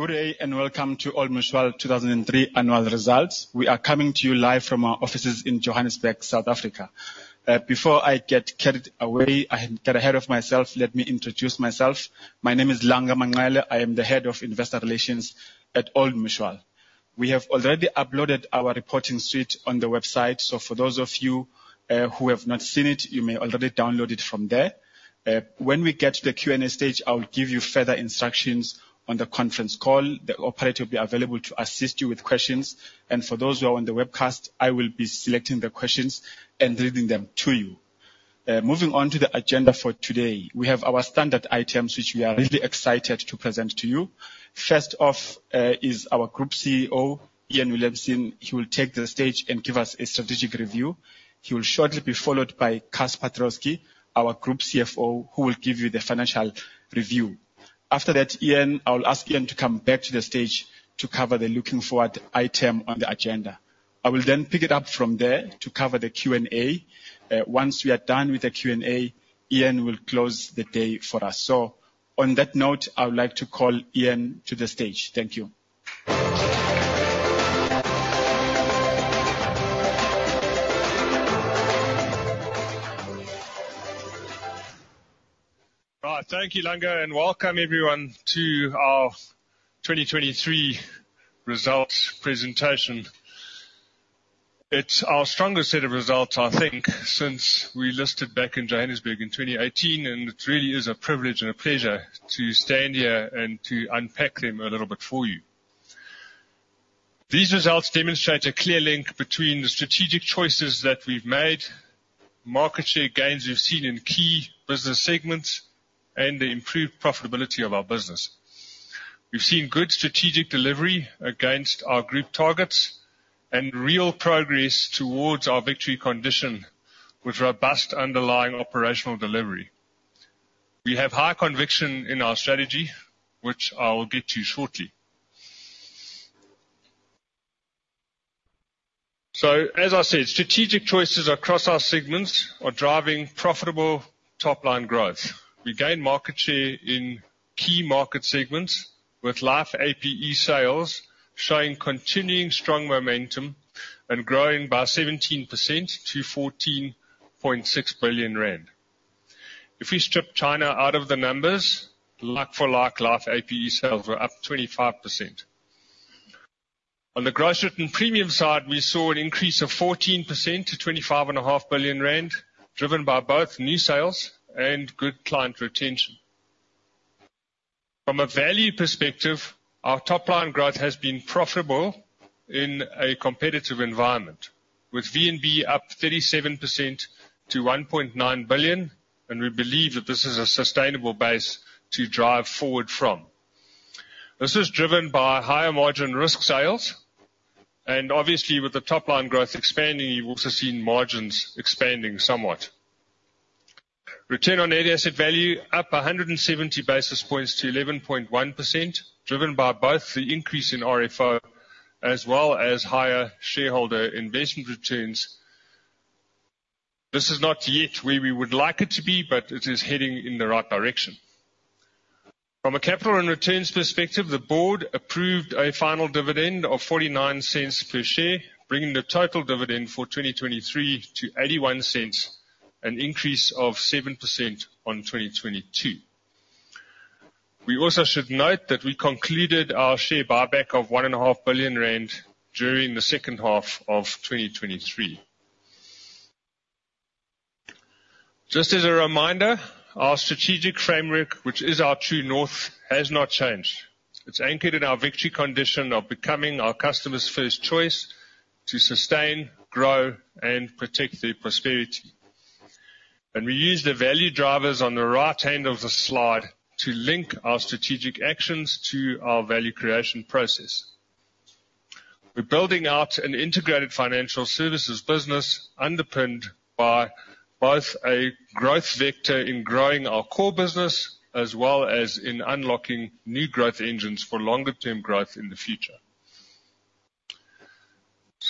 Good day and welcome to Old Mutual 2023 Annual Results. We are coming to you live from our offices in Johannesburg, South Africa. Before I get carried away, I can get ahead of myself, let me introduce myself. My name is Langa Manqele, I am the Head of Investor Relations at Old Mutual. We have already uploaded our reporting suite on the website, so for those of you who have not seen it, you may already download it from there. When we get to the Q&A stage, I'll give you further instructions on the conference call. The operator will be available to assist you with questions, and for those who are on the webcast, I will be selecting the questions and reading them to you. Moving on to the agenda for today, we have our standard items which we are really excited to present to you. First off, is our Group CEO, Iain Williamson. He will take the stage and give us a strategic review. He will shortly be followed by Casper Troskie, our Group CFO, who will give you the financial review. After that, Iain, I'll ask Iain to come back to the stage to cover the looking-forward item on the agenda. I will then pick it up from there to cover the Q&A. Once we are done with the Q&A, Iain will close the day for us. So on that note, I would like to call Iain to the stage. Thank you. Right, thank you, Langa, and welcome everyone to our 2023 results presentation. It's our strongest set of results, I think, since we listed back in Johannesburg in 2018, and it really is a privilege and a pleasure to stand here and to unpack them a little bit for you. These results demonstrate a clear link between the strategic choices that we've made, market share gains we've seen in key business segments, and the improved profitability of our business. We've seen good strategic delivery against our group targets and real progress towards our victory condition with robust underlying operational delivery. We have high conviction in our strategy, which I will get to shortly. So, as I said, strategic choices across our segments are driving profitable top-line growth. We gained market share in key market segments with live APE sales showing continuing strong momentum and growing by 17% to 14.6 billion rand. If we strip China out of the numbers, like-for-like Life APE sales were up 25%. On the gross written premium side, we saw an increase of 14% to 25.5 billion rand, driven by both new sales and good client retention. From a value perspective, our top-line growth has been profitable in a competitive environment, with VNB up 37% to 1.9 billion, and we believe that this is a sustainable base to drive forward from. This was driven by higher margin risk sales, and obviously, with the top-line growth expanding, you've also seen margins expanding somewhat. Return on net asset value up 170 basis points to 11.1%, driven by both the increase in RFO as well as higher shareholder investment returns. This is not yet where we would like it to be, but it is heading in the right direction. From a capital and returns perspective, the board approved a final dividend of 0.49 per share, bringing the total dividend for 2023 to 0.81, an increase of 7% on 2022. We also should note that we concluded our share buyback of 1.5 billion rand during the second half of 2023. Just as a reminder, our strategic framework, which is our true north, has not changed. It's anchored in our victory condition of becoming our customers' first choice to sustain, grow, and protect their prosperity. We use the value drivers on the right hand of the slide to link our strategic actions to our value creation process. We're building out an integrated financial services business underpinned by both a growth vector in growing our core business as well as in unlocking new growth engines for longer-term growth in the future.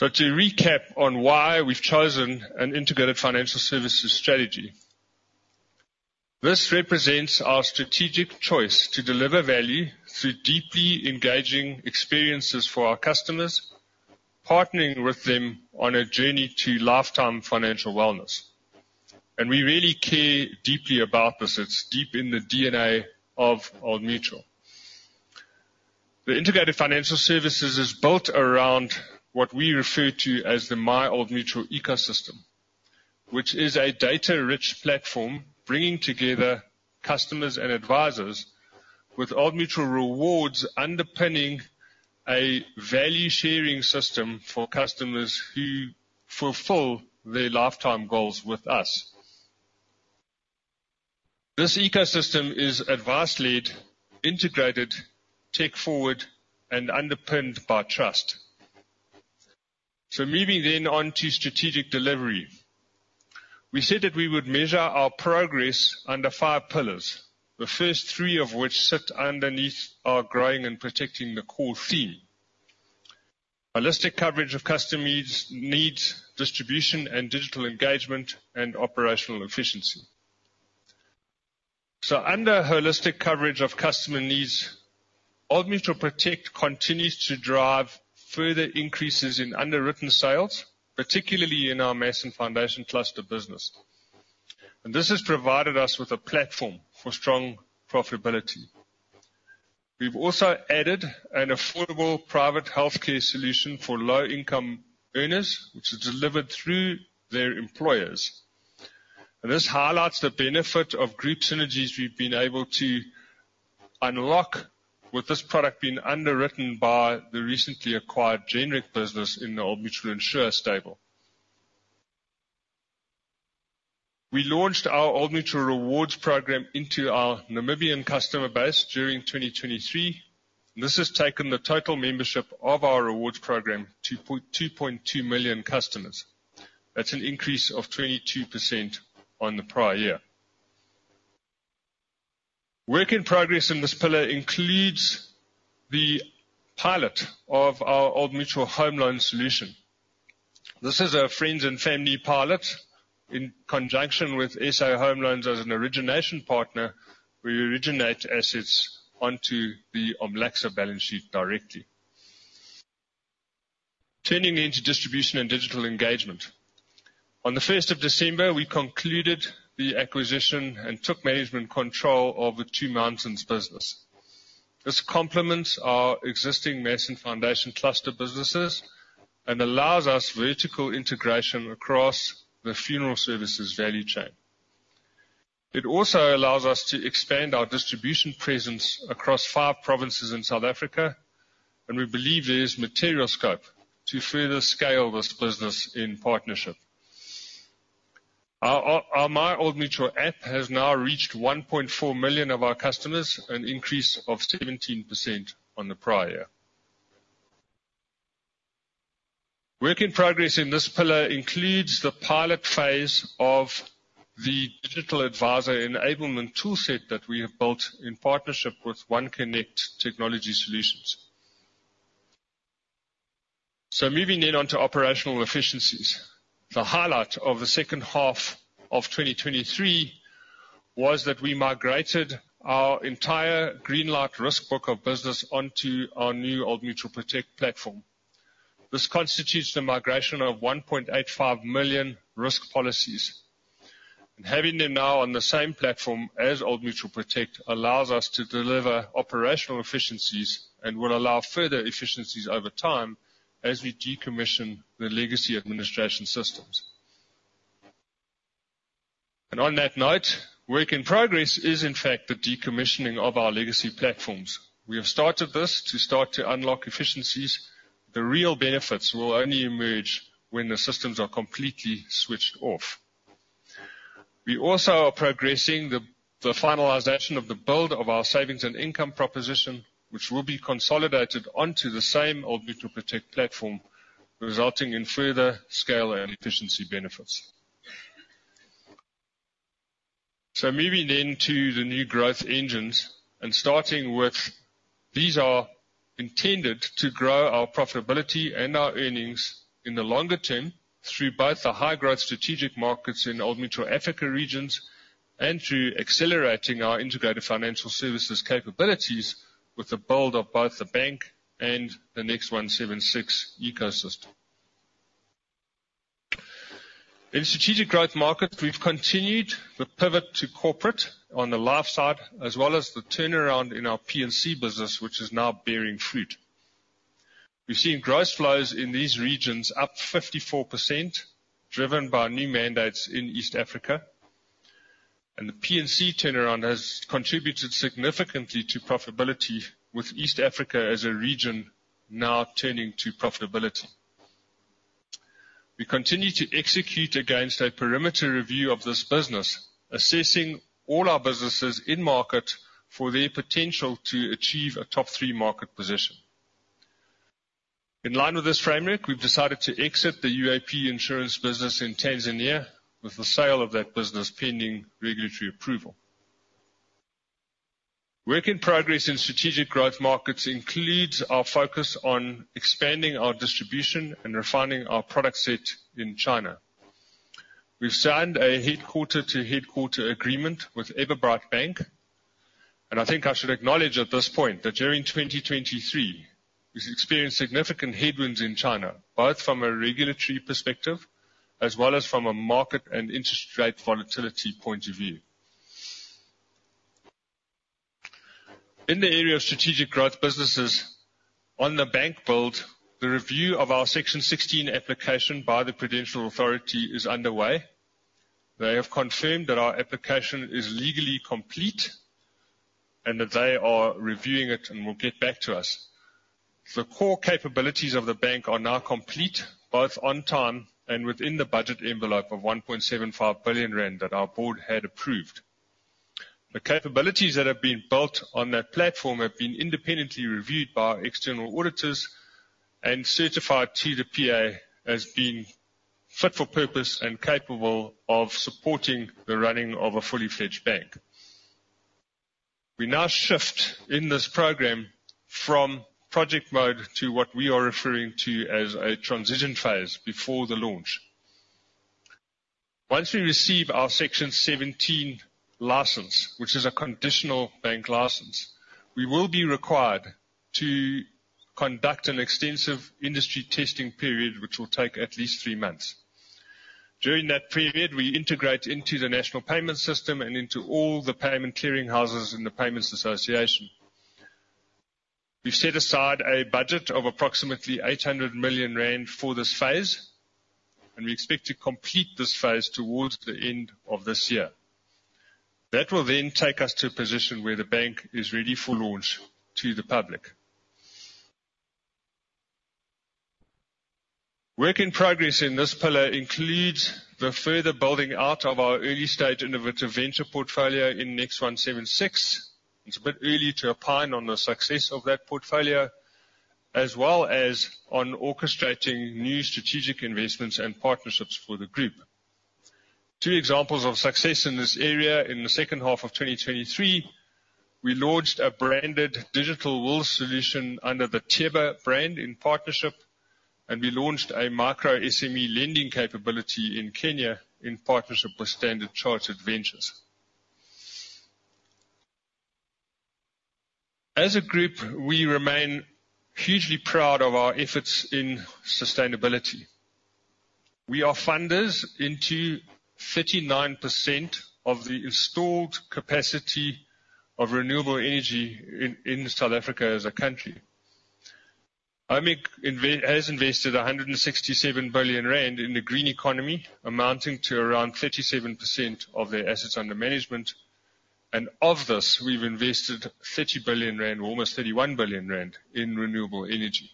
So, to recap on why we've chosen an integrated financial services strategy: this represents our strategic choice to deliver value through deeply engaging experiences for our customers, partnering with them on a journey to lifetime financial wellness. We really care deeply about this. It's deep in the DNA of Old Mutual. The integrated financial services is built around what we refer to as the My Old Mutual ecosystem, which is a data-rich platform bringing together customers and advisors with Old Mutual Rewards underpinning a value-sharing system for customers who fulfill their lifetime goals with us. This ecosystem is advisor-led, integrated, tech-forward, and underpinned by trust. So moving then on to strategic delivery. We said that we would measure our progress under five pillars, the first three of which sit underneath our growing and protecting the core theme: holistic coverage of customer needs, distribution and digital engagement, and operational efficiency. Under holistic coverage of customer needs, Old Mutual Protect continues to drive further increases in underwritten sales, particularly in our Mass and Foundation Cluster business. This has provided us with a platform for strong profitability. We've also added an affordable private healthcare solution for low-income earners, which is delivered through their employers. This highlights the benefit of group synergies we've been able to unlock with this product being underwritten by the recently acquired Genric business in the Old Mutual Insure table. We launched our Old Mutual Rewards program into our Namibian customer base during 2023, and this has taken the total membership of our rewards program to 2.2 million customers. That's an increase of 22% on the prior year. Work in progress in this pillar includes the pilot of our Old Mutual Home Loan solution. This is a friends-and-family pilot in conjunction with SA Home Loans as an origination partner, where we originate assets onto the OMLACSA balance sheet directly. Turning into distribution and digital engagement. On the 1st of December, we concluded the acquisition and took management control of the Two Mountains business. This complements our existing Mass and Foundation Cluster businesses and allows us vertical integration across the funeral services value chain. It also allows us to expand our distribution presence across five provinces in South Africa, and we believe there's material scope to further scale this business in partnership. Our My Old Mutual app has now reached 1.4 million of our customers, an increase of 17% on the prior year. Work in progress in this pillar includes the pilot phase of the digital advisor enablement toolset that we have built in partnership with OneConnect Technology Solutions. So moving then on to operational efficiencies. The highlight of the second half of 2023 was that we migrated our entire Greenlight risk book of business onto our new Old Mutual Protect platform. This constitutes the migration of 1.85 million risk policies. And having them now on the same platform as Old Mutual Protect allows us to deliver operational efficiencies and will allow further efficiencies over time as we decommission the legacy administration systems. And on that note, work in progress is, in fact, the decommissioning of our legacy platforms. We have started this to start to unlock efficiencies. The real benefits will only emerge when the systems are completely switched off. We also are progressing the finalization of the build of our savings and income proposition, which will be consolidated onto the same Old Mutual Protect platform, resulting in further scale and efficiency benefits. Moving then to the new growth engines, and starting with these are intended to grow our profitability and our earnings in the longer term through both the high-growth strategic markets in Old Mutual Africa Regions and through accelerating our integrated financial services capabilities with the build of both the bank and the NEXT176 ecosystem. In strategic growth markets, we've continued the pivot to corporate on the life side, as well as the turnaround in our P&C business, which is now bearing fruit. We've seen gross flows in these regions up 54%, driven by new mandates in East Africa. The P&C turnaround has contributed significantly to profitability, with East Africa as a region now turning to profitability. We continue to execute against a perimeter review of this business, assessing all our businesses in market for their potential to achieve a top-three market position. In line with this framework, we've decided to exit the UAP insurance business in Tanzania, with the sale of that business pending regulatory approval. Work in progress in strategic growth markets includes our focus on expanding our distribution and refining our product set in China. We've signed a headquarter-to-headquarter agreement with China Everbright Bank. And I think I should acknowledge at this point that during 2023, we've experienced significant headwinds in China, both from a regulatory perspective as well as from a market and interest rate volatility point of view. In the area of strategic growth businesses, on the bank build, the review of our Section 16 application by the Prudential Authority is underway. They have confirmed that our application is legally complete and that they are reviewing it and will get back to us. The core capabilities of the bank are now complete, both on time and within the budget envelope of 1.75 billion rand that our board had approved. The capabilities that have been built on that platform have been independently reviewed by our external auditors and certified to the PA as being fit for purpose and capable of supporting the running of a fully fledged bank. We now shift in this program from project mode to what we are referring to as a transition phase before the launch. Once we receive our Section 17 license, which is a conditional bank license, we will be required to conduct an extensive industry testing period, which will take at least three months. During that period, we integrate into the national payment system and into all the payment clearinghouses in the payments association. We've set aside a budget of approximately 800 million rand for this phase, and we expect to complete this phase towards the end of this year. That will then take us to a position where the bank is ready for launch to the public. Work in progress in this pillar includes the further building out of our early-stage innovative venture portfolio in NEXT176. It's a bit early to opine on the success of that portfolio, as well as on orchestrating new strategic investments and partnerships for the group. Two examples of success in this area: in the second half of 2023, we launched a branded digital wills solution under the TEBA brand in partnership, and we launched a micro-SME lending capability in Kenya in partnership with Standard Chartered Ventures. As a group, we remain hugely proud of our efforts in sustainability. We are funders into 39% of the installed capacity of renewable energy in South Africa as a country. OMIG has invested 167 billion rand in the green economy, amounting to around 37% of their assets under management. And of this, we've invested 30 billion rand or almost 31 billion rand in renewable energy.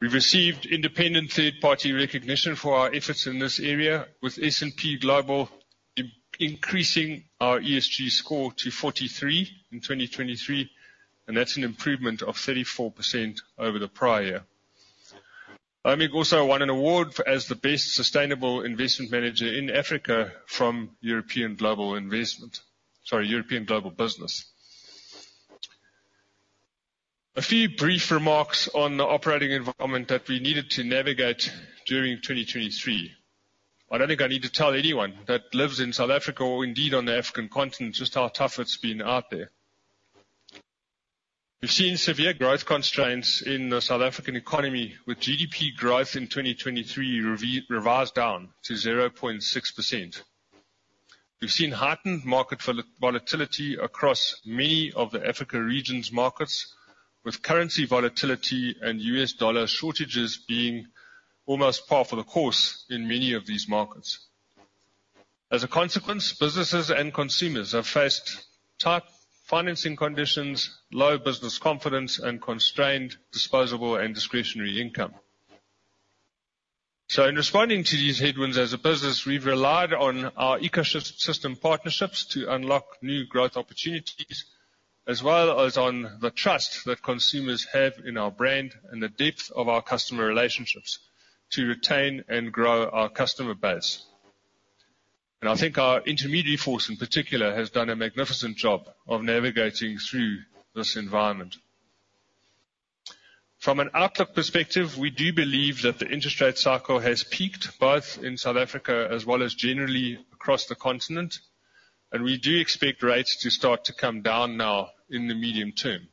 We've received independent third-party recognition for our efforts in this area, with S&P Global increasing our ESG score to 43 in 2023. And that's an improvement of 34% over the prior year. OMIG also won an award as the Best Sustainable Investment Manager in Africa from European Global Investment sorry, European Global Business. A few brief remarks on the operating environment that we needed to navigate during 2023. I don't think I need to tell anyone that lives in South Africa or, indeed, on the African continent just how tough it's been out there. We've seen severe growth constraints in the South African economy, with GDP growth in 2023 revised down to 0.6%. We've seen heightened market volatility across many of the Africa region's markets, with currency volatility and U.S. dollar shortages being almost par for the course in many of these markets. As a consequence, businesses and consumers have faced tight financing conditions, low business confidence, and constrained disposable and discretionary income. So, in responding to these headwinds as a business, we've relied on our ecosystem partnerships to unlock new growth opportunities, as well as on the trust that consumers have in our brand and the depth of our customer relationships to retain and grow our customer base. And I think our intermediary force, in particular, has done a magnificent job of navigating through this environment. From an outlook perspective, we do believe that the interest rate cycle has peaked, both in South Africa as well as generally across the continent. We do expect rates to start to come down now in the medium term.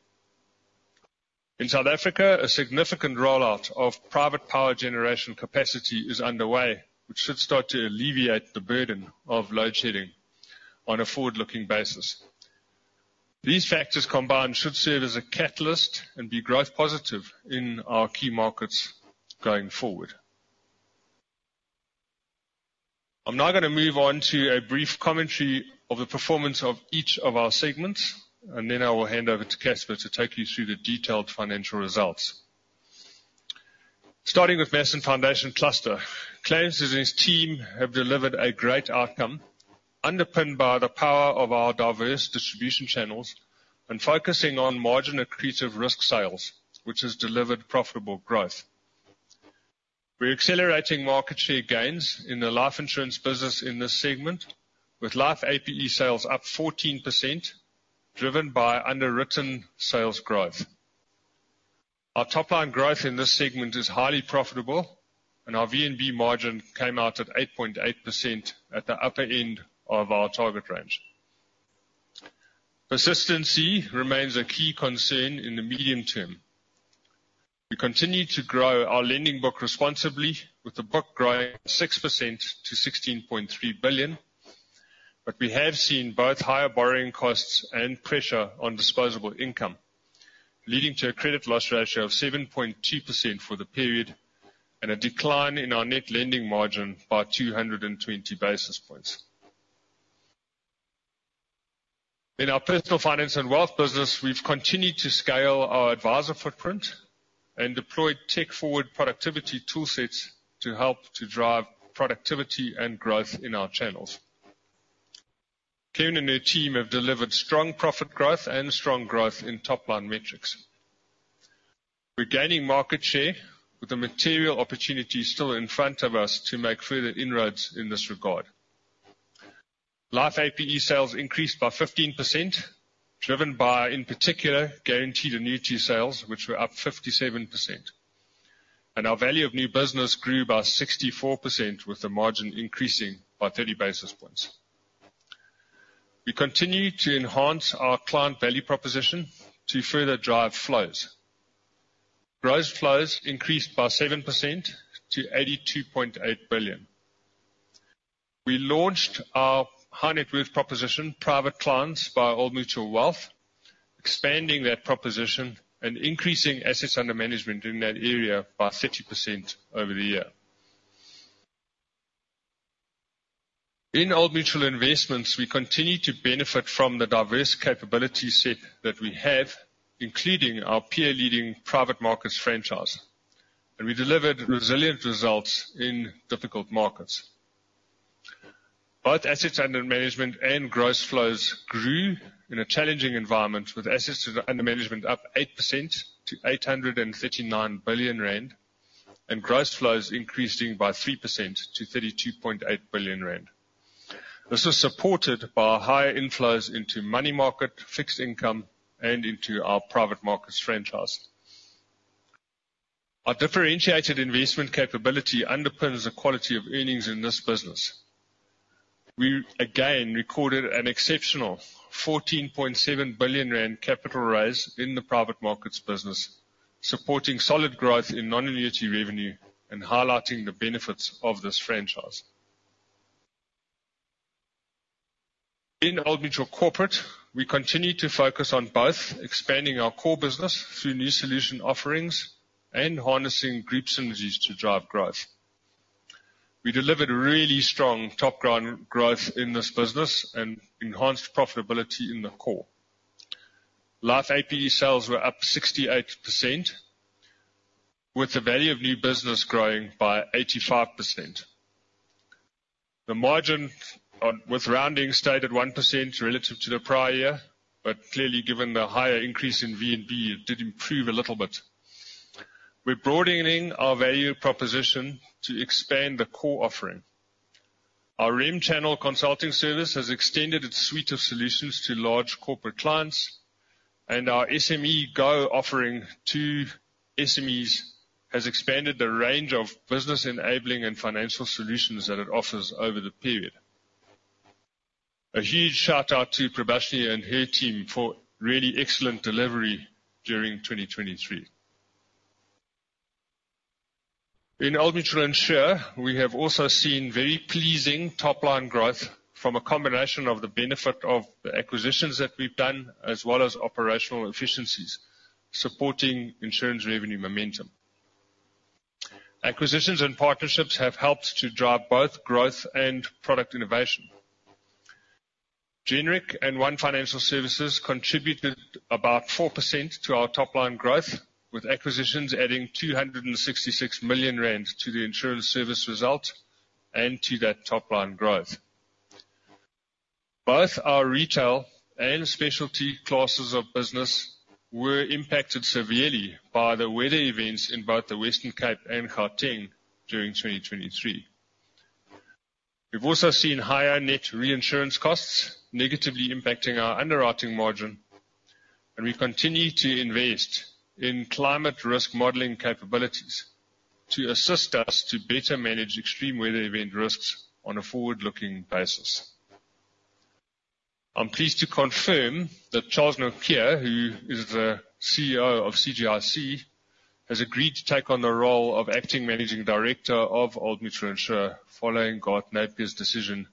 In South Africa, a significant rollout of private power generation capacity is underway, which should start to alleviate the burden of load-shedding on a forward-looking basis. These factors combined should serve as a catalyst and be growth-positive in our key markets going forward. I'm now going to move on to a brief commentary of the performance of each of our segments, and then I will hand over to Casper to take you through the detailed financial results. Starting with Mass and Foundation Cluster, Clarence and its team have delivered a great outcome, underpinned by the power of our diverse distribution channels and focusing on margin-accretive risk sales, which has delivered profitable growth. We're accelerating market share gains in the life insurance business in this segment, with life APE sales up 14%, driven by underwritten sales growth. Our top-line growth in this segment is highly profitable, and our VNB margin came out at 8.8% at the upper end of our target range. Persistency remains a key concern in the medium term. We continue to grow our lending book responsibly, with the book growing 6% to 16.3 billion. But we have seen both higher borrowing costs and pressure on disposable income, leading to a credit loss ratio of 7.2% for the period and a decline in our net lending margin by 220 basis points. In our personal finance and wealth business, we've continued to scale our advisor footprint and deployed tech-forward productivity toolsets to help to drive productivity and growth in our channels. Kerrin and her team have delivered strong profit growth and strong growth in top-line metrics. We're gaining market share, with a material opportunity still in front of us to make further inroads in this regard. Life APE sales increased by 15%, driven by, in particular, guaranteed annuity sales, which were up 57%. Our value of new business grew by 64%, with the margin increasing by 30 basis points. We continue to enhance our client value proposition to further drive flows. Gross flows increased by 7% to 82.8 billion. We launched our high-net-worth proposition, Private Plans, by Old Mutual Wealth, expanding that proposition and increasing assets under management in that area by 30% over the year. In Old Mutual Investments, we continue to benefit from the diverse capability set that we have, including our peer-leading private markets franchise. We delivered resilient results in difficult markets. Both assets under management and gross flows grew in a challenging environment, with assets under management up 8% to 839 billion rand and gross flows increasing by 3% to 32.8 billion rand. This was supported by higher inflows into money market, fixed income, and into our private markets franchise. Our differentiated investment capability underpins the quality of earnings in this business. We, again, recorded an exceptional 14.7 billion rand capital raise in the private markets business, supporting solid growth in non-annuity revenue and highlighting the benefits of this franchise. In Old Mutual Corporate, we continue to focus on both expanding our core business through new solution offerings and harnessing group synergies to drive growth. We delivered really strong top-line growth in this business and enhanced profitability in the core. Life APE sales were up 68%, with the value of new business growing by 85%. The margin, with rounding, stayed at 1% relative to the prior year, but clearly, given the higher increase in VNB, it did improve a little bit. We're broadening our value proposition to expand the core offering. Our Remchannel consulting service has extended its suite of solutions to large corporate clients. Our SMEgo offering to SMEs has expanded the range of business-enabling and financial solutions that it offers over the period. A huge shout-out to Prabashini and her team for really excellent delivery during 2023. In Old Mutual Insure, we have also seen very pleasing top-line growth from a combination of the benefit of the acquisitions that we've done, as well as operational efficiencies, supporting insurance revenue momentum. Acquisitions and partnerships have helped to drive both growth and product innovation. Genric and One Financial Services contributed about 4% to our top-line growth, with acquisitions adding 266 million rand to the insurance service result and to that top-line growth. Both our Retail and Specialty Classes of business were impacted severely by the weather events in both the Western Cape and Gauteng during 2023. We've also seen higher net reinsurance costs negatively impacting our underwriting margin. And we continue to invest in climate risk modeling capabilities to assist us to better manage extreme weather event risks on a forward-looking basis. I'm pleased to confirm that Charles Nortje, who is the CEO of CGIC, has agreed to take on the role of Acting Managing Director of Old Mutual Insure following Garth Napier's decision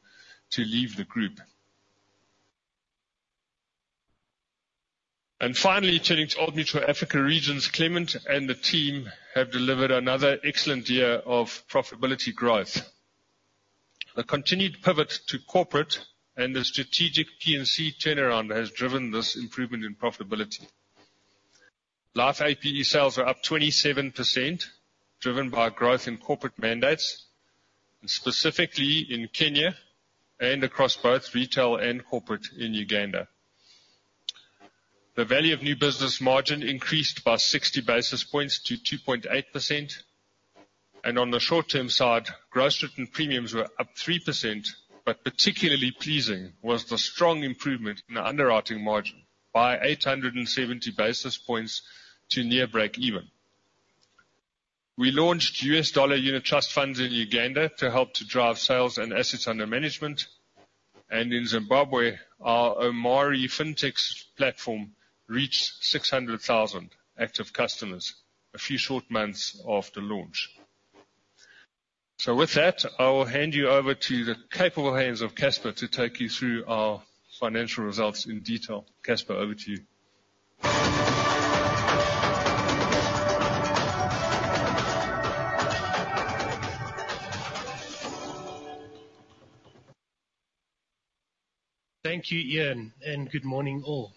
to leave the group. And finally, turning to Old Mutual Africa Regions, Clement and the team have delivered another excellent year of profitability growth. The continued pivot to corporate and the strategic P&C turnaround has driven this improvement in profitability. Life APE sales are up 27%, driven by growth in corporate mandates, specifically in Kenya and across both retail and corporate in Uganda. The value of new business margin increased by 60 basis points to 2.8%. And on the short-term side, gross written premiums were up 3%. But particularly pleasing was the strong improvement in the underwriting margin by 870 basis points to near break-even. We launched U.S. Dollar Unit Trust Funds in Uganda to help to drive sales and assets under management. And in Zimbabwe, our O'Mari FinTech platform reached 600,000 active customers a few short months after launch. So, with that, I will hand you over to the capable hands of Casper to take you through our financial results in detail. Casper, over to you. Thank you, Iain Williamson, and good morning, all.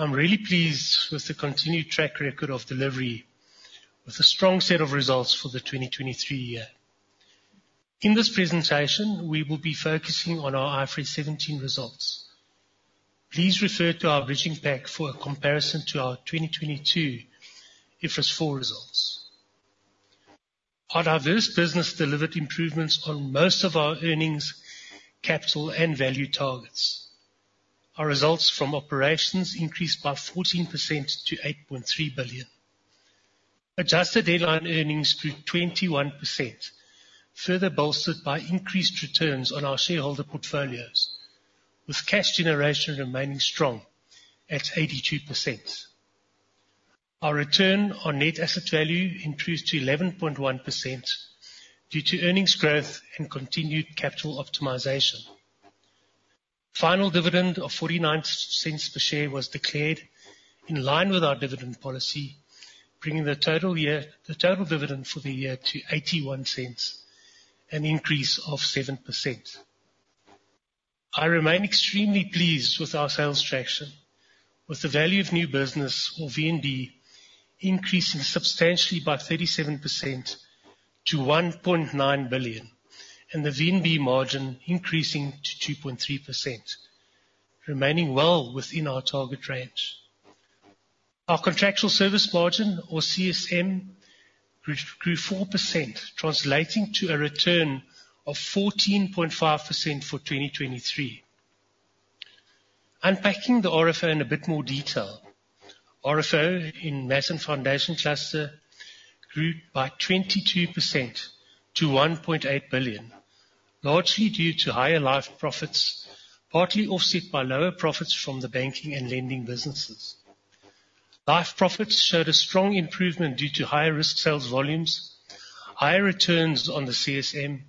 I'm really pleased with the continued track record of delivery, with a strong set of results for the 2023 year. In this presentation, we will be focusing on our IFRS 17 results. Please refer to our bridging pack for a comparison to our 2022 IFRS 4 results. Our diverse business delivered improvements on most of our earnings, capital, and value targets. Our results from operations increased by 14% to 8.3 billion. Adjusted headline earnings grew 21%, further bolstered by increased returns on our shareholder portfolios, with cash generation remaining strong at 82%. Our return on net asset value improved to 11.1% due to earnings growth and continued capital optimization. Final dividend of 0.49 per share was declared, in line with our dividend policy, bringing the total dividend for the year to 0.81, an increase of 7%. I remain extremely pleased with our sales traction, with the value of new business, or VNB, increasing substantially by 37% to 1.9 billion, and the VNB margin increasing to 2.3%, remaining well within our target range. Our contractual service margin, or CSM, grew 4%, translating to a return of 14.5% for 2023. Unpacking the RFO in a bit more detail, RFO in Mass and Foundation Cluster grew by 22% to 1.8 billion, largely due to higher life profits, partly offset by lower profits from the banking and lending businesses. Life profits showed a strong improvement due to higher risk sales volumes, higher returns on the CSM,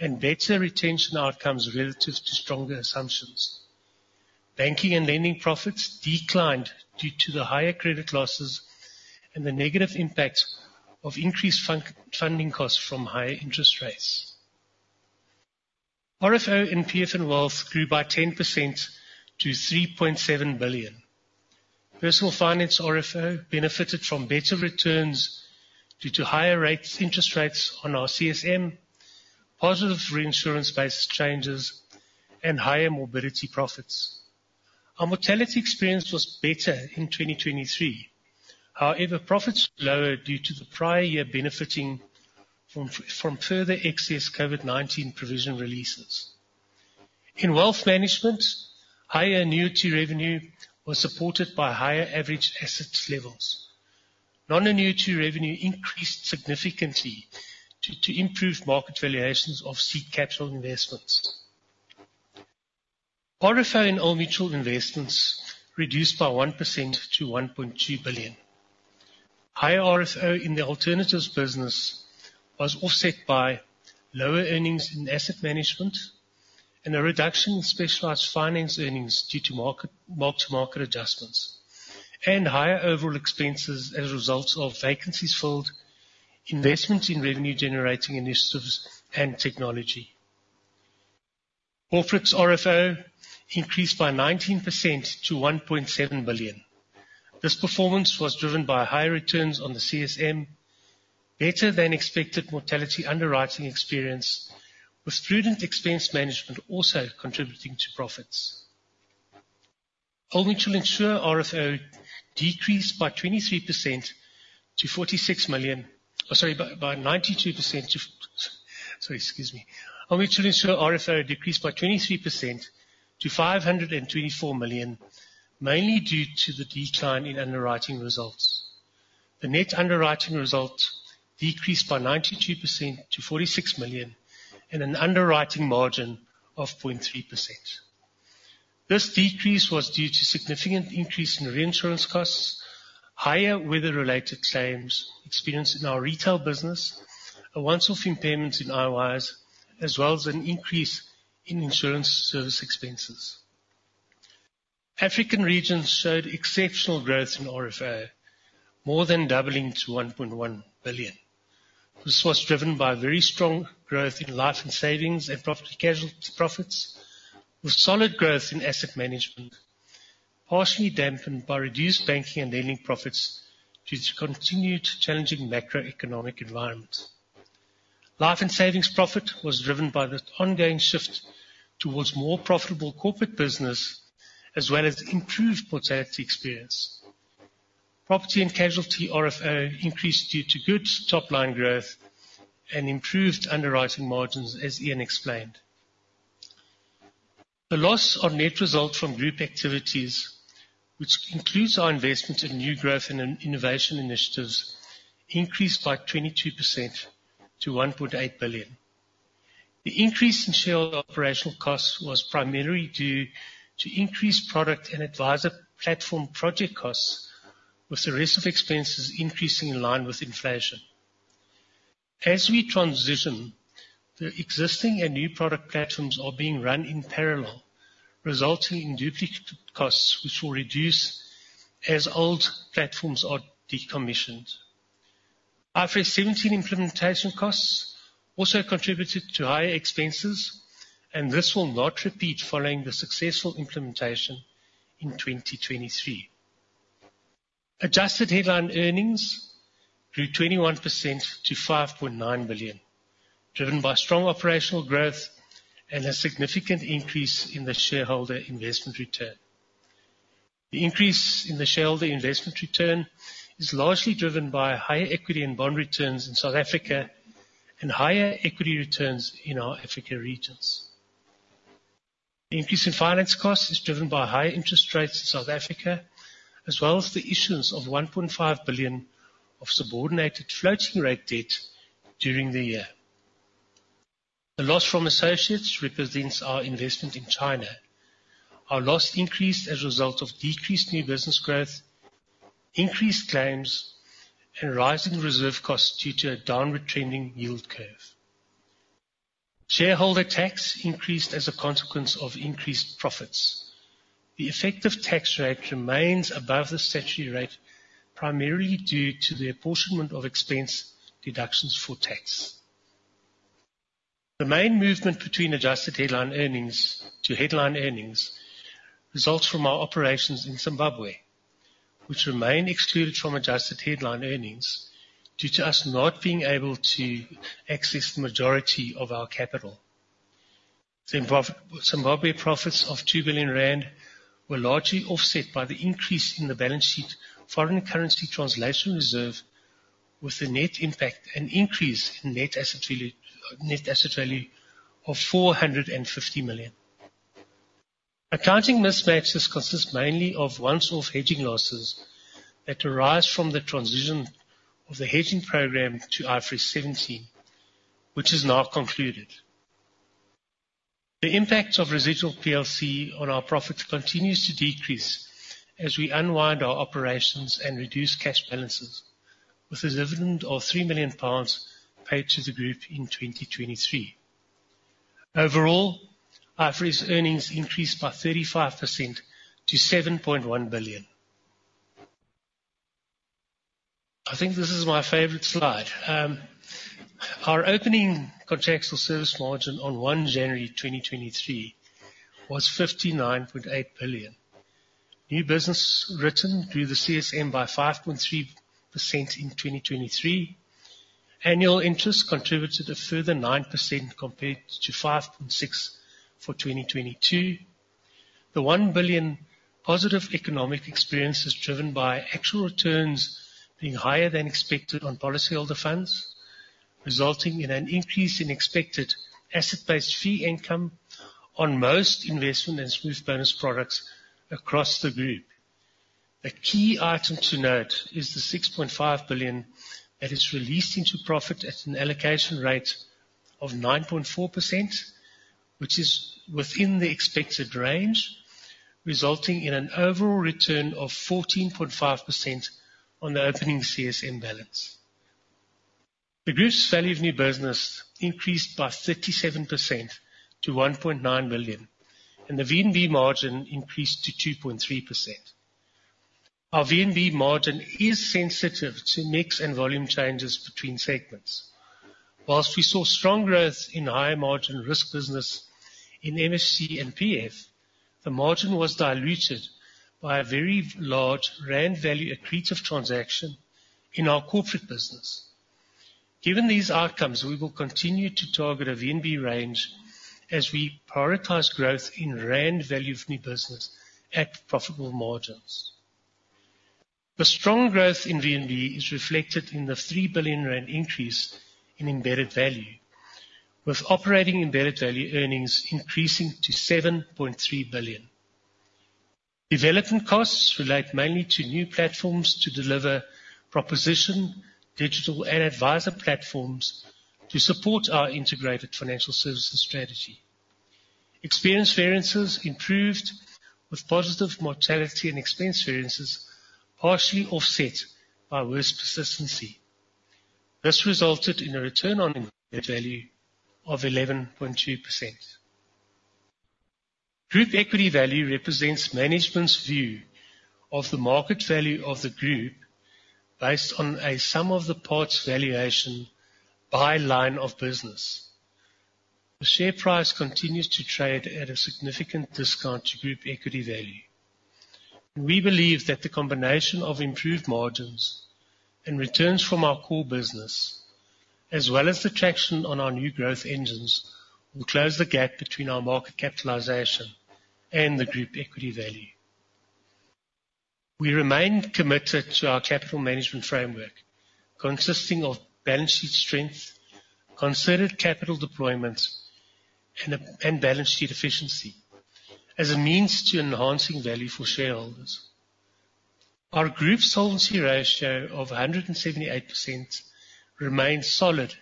and better retention outcomes relative to stronger assumptions. Banking and lending profits declined due to the higher credit losses and the negative impacts of increased funding costs from higher interest rates. RFO in PF and Wealth grew by 10% to 3.7 billion. Personal finance RFO benefited from better returns due to higher interest rates on our CSM, positive reinsurance-based changes, and higher morbidity profits. Our mortality experience was better in 2023. However, profits were lower due to the prior year benefiting from further excess COVID-19 provision releases. In wealth management, higher annuity revenue was supported by higher average asset levels. Non-annuity revenue increased significantly to improve market valuations of seed capital investments. RFO in Old Mutual Investments reduced by 1% to 1.2 billion. Higher RFO in the alternatives business was offset by lower earnings in asset management and a reduction in specialized finance earnings due to mark-to-market adjustments, and higher overall expenses as a result of vacancies filled, investments in revenue-generating initiatives, and technology. Corporate's RFO increased by 19% to 1.7 billion. This performance was driven by higher returns on the CSM, better than expected mortality underwriting experience, with prudent expense management also contributing to profits. Old Mutual Insure RFO decreased by 23% to 524 million, mainly due to the decline in underwriting results. The net underwriting result decreased by 92% to 46 million, and an underwriting margin of 0.3%. This decrease was due to a significant increase in reinsurance costs, higher weather-related claims experienced in our retail business, a once-off impairment in IOIs, as well as an increase in insurance service expenses. African regions showed exceptional growth in RFO, more than doubling to 1.1 billion. This was driven by very strong growth in life and savings and property profits, with solid growth in asset management, partially dampened by reduced banking and lending profits due to continued challenging macroeconomic environments. Life and savings profit was driven by the ongoing shift towards more profitable corporate business, as well as improved mortality experience. Property and casualty RFO increased due to good top-line growth and improved underwriting margins, as Iain explained. The loss on net result from group activities, which includes our investment in new growth and innovation initiatives, increased by 22% to 1.8 billion. The increase in shareholder operational costs was primarily due to increased product and advisor platform project costs, with the rest of expenses increasing in line with inflation. As we transition, the existing and new product platforms are being run in parallel, resulting in duplicate costs, which will reduce as old platforms are decommissioned. IFRS 17 implementation costs also contributed to higher expenses, and this will not repeat following the successful implementation in 2023. Adjusted headline earnings grew 21% to 5.9 billion, driven by strong operational growth and a significant increase in the shareholder investment return. The increase in the shareholder investment return is largely driven by higher equity and bond returns in South Africa and higher equity returns in our Africa regions. The increase in finance costs is driven by higher interest rates in South Africa, as well as the issuance of 1.5 billion of subordinated floating-rate debt during the year. The loss from associates represents our investment in China. Our loss increased as a result of decreased new business growth, increased claims, and rising reserve costs due to a downward-trending yield curve. Shareholder tax increased as a consequence of increased profits. The effective tax rate remains above the statutory rate, primarily due to the apportionment of expense deductions for tax. The main movement between Adjusted Headline Earnings to Headline Earnings results from our operations in Zimbabwe, which remain excluded from Adjusted Headline Earnings due to us not being able to access the majority of our capital. Zimbabwe profits of 2 billion rand were largely offset by the increase in the balance sheet foreign currency translation reserve, with the net impact an increase in net asset value of 450 million. Accounting mismatches consist mainly of once-off hedging losses that arise from the transition of the hedging program to IFRS 17, which is now concluded. The impact of residual PLC on our profits continues to decrease as we unwind our operations and reduce cash balances, with a dividend of 3 million pounds paid to the group in 2023. Overall, IFRS earnings increased by 35% to 7.1 billion. I think this is my favorite slide. Our opening contractual service margin on 1 January 2023 was 59.8 billion. New business written grew the CSM by 5.3% in 2023. Annual interest contributed a further 9% compared to 5.6% for 2022. The 1 billion positive economic experience is driven by actual returns being higher than expected on policyholder funds, resulting in an increase in expected asset-based fee income on most investment and smooth bonus products across the group. A key item to note is the 6.5 billion that is released into profit at an allocation rate of 9.4%, which is within the expected range, resulting in an overall return of 14.5% on the opening CSM balance. The group's value of new business increased by 37% to 1.9 billion, and the VNB margin increased to 2.3%. Our VNB margin is sensitive to mix and volume changes between segments. While we saw strong growth in higher margin risk business in MSC and PF, the margin was diluted by a very large Rand value accretive transaction in our corporate business. Given these outcomes, we will continue to target a VNB range as we prioritize growth in Rand value of new business at profitable margins. The strong growth in VNB is reflected in the 3 billion rand increase in embedded value, with operating embedded value earnings increasing to 7.3 billion. Development costs relate mainly to new platforms to deliver proposition, digital, and advisor platforms to support our integrated financial services strategy. Experience variances improved, with positive mortality and expense variances partially offset by worse persistency. This resulted in a return on embedded value of 11.2%. Group equity value represents management's view of the market value of the group based on a sum of the parts valuation by line of business. The share price continues to trade at a significant discount to group equity value, and we believe that the combination of improved margins and returns from our core business, as well as the traction on our new growth engines, will close the gap between our market capitalization and the group equity value. We remain committed to our capital management framework, consisting of balance sheet strength, concerted capital deployments, and balance sheet efficiency as a means to enhancing value for shareholders. Our group solvency ratio of 178% remains solid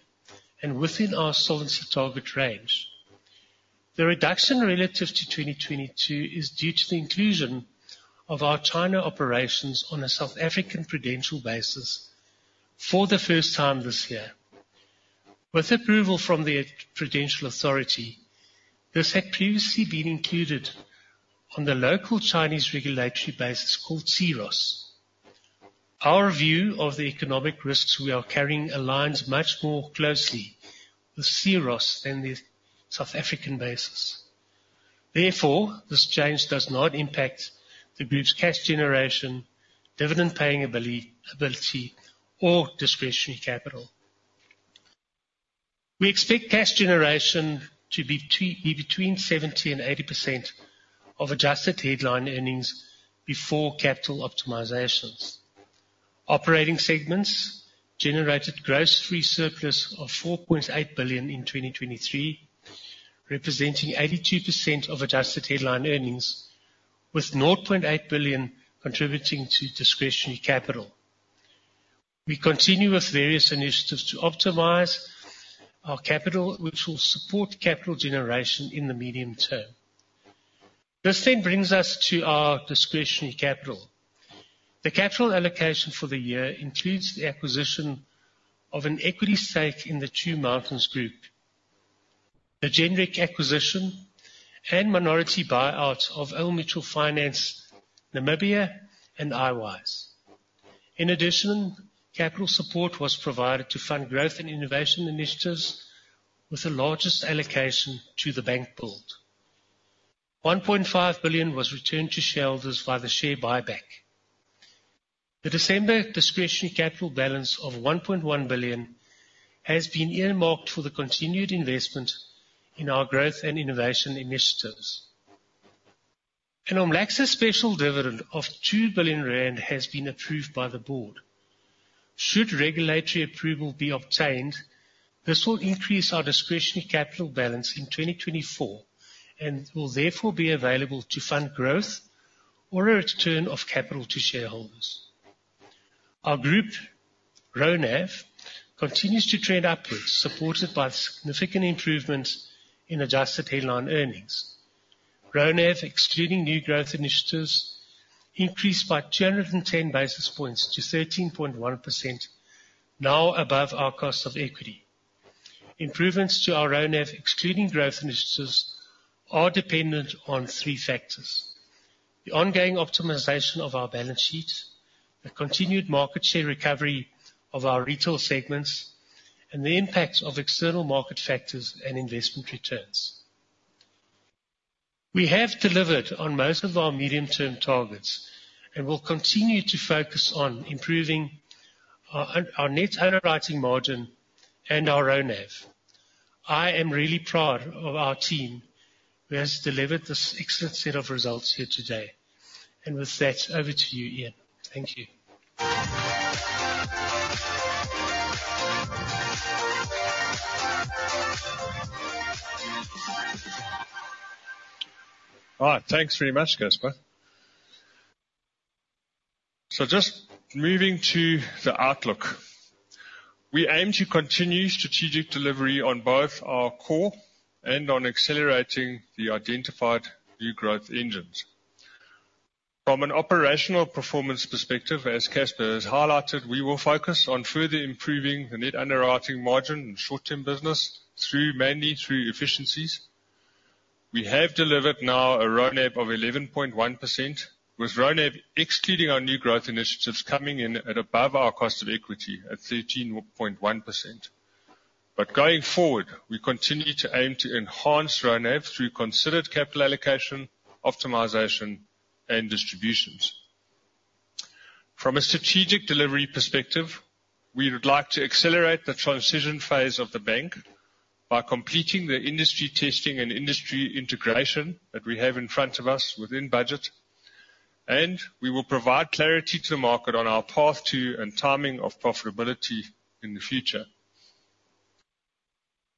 and within our solvency target range. The reduction relative to 2022 is due to the inclusion of our China operations on a South African prudential basis for the first time this year. With approval from the Prudential Authority, this had previously been included on the local Chinese regulatory basis called C-ROSS. Our view of the economic risks we are carrying aligns much more closely with C-ROSS than the South African basis. Therefore, this change does not impact the group's cash generation, dividend-paying ability, or discretionary capital. We expect cash generation to be between 70% and 80% of adjusted headline earnings before capital optimizations. Operating segments generated gross free surplus of 4.8 billion in 2023, representing 82% of adjusted headline earnings, with 0.8 billion contributing to discretionary capital. We continue with various initiatives to optimize our capital, which will support capital generation in the medium term. This then brings us to our discretionary capital. The capital allocation for the year includes the acquisition of an equity stake in the Two Mountains Group, the generic acquisition, and minority buyout of Old Mutual Finance Namibia and IOIs. In addition, capital support was provided to fund growth and innovation initiatives, with the largest allocation to the Bank Build. 1.5 billion was returned to shareholders via the share buyback. The December discretionary capital balance of 1.1 billion has been earmarked for the continued investment in our growth and innovation initiatives. An OMLACSA special dividend of 2 billion rand has been approved by the Board. Should regulatory approval be obtained, this will increase our discretionary capital balance in 2024 and will therefore be available to fund growth or a return of capital to shareholders. Our group RoNAV continues to trend upwards, supported by significant improvements in adjusted headline earnings. RoNAV, excluding new growth initiatives, increased by 210 basis points to 13.1%, now above our cost of equity. Improvements to our RONAV, excluding growth initiatives, are dependent on three factors: the ongoing optimization of our balance sheet, the continued market share recovery of our retail segments, and the impact of external market factors and investment returns. We have delivered on most of our medium-term targets and will continue to focus on improving our net underwriting margin and our RONAV. I am really proud of our team who has delivered this excellent set of results here today, and with that, over to you, Iain. Thank you. All right. Thanks very much, Casper. So, just moving to the outlook. We aim to continue strategic delivery on both our core and on accelerating the identified new growth engines. From an operational performance perspective, as Casper has highlighted, we will focus on further improving the net underwriting margin and short-term business, mainly through efficiencies. We have delivered now a RONAV of 11.1%, with RONAV excluding our new growth initiatives coming in at above our cost of equity at 13.1%. But going forward, we continue to aim to enhance RONAV through considered capital allocation, optimization, and distributions. From a strategic delivery perspective, we would like to accelerate the transition phase of the bank by completing the industry testing and industry integration that we have in front of us within budget, and we will provide clarity to the market on our path to and timing of profitability in the future.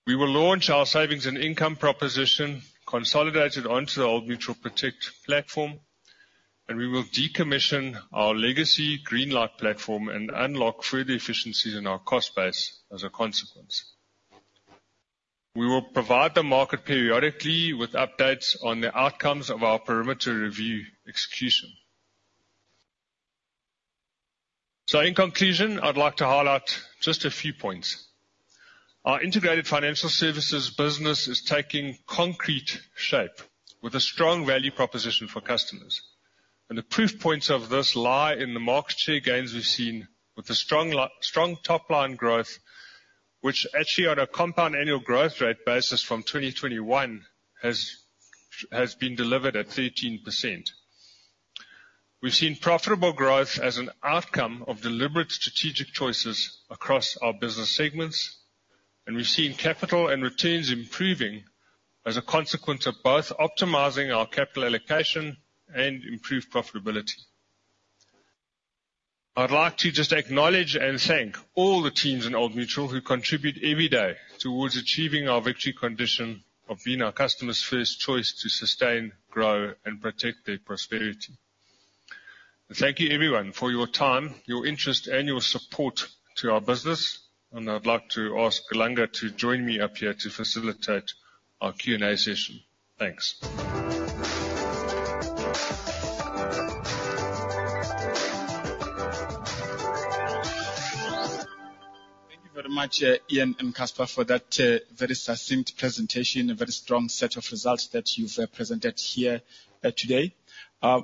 We will launch our savings and income proposition consolidated onto the Old Mutual Protect platform, and we will decommission our legacy Greenlight platform and unlock further efficiencies in our cost base as a consequence. We will provide the market periodically with updates on the outcomes of our perimeter review execution. So, in conclusion, I'd like to highlight just a few points. Our integrated financial services business is taking concrete shape with a strong value proposition for customers, and the proof points of this lie in the market share gains we've seen, with a strong top-line growth, which actually, on a compound annual growth rate basis from 2021, has been delivered at 13%. We've seen profitable growth as an outcome of deliberate strategic choices across our business segments, and we've seen capital and returns improving as a consequence of both optimizing our capital allocation and improved profitability. I'd like to just acknowledge and thank all the teams in Old Mutual who contribute every day towards achieving our victory condition of being our customers' first choice to sustain, grow, and protect their prosperity. Thank you, everyone, for your time, your interest, and your support to our business, and I'd like to ask Langa to join me up here to facilitate our Q&A session. Thanks. Thank you very much, Iain and Casper, for that very succinct presentation and very strong set of results that you've presented here today.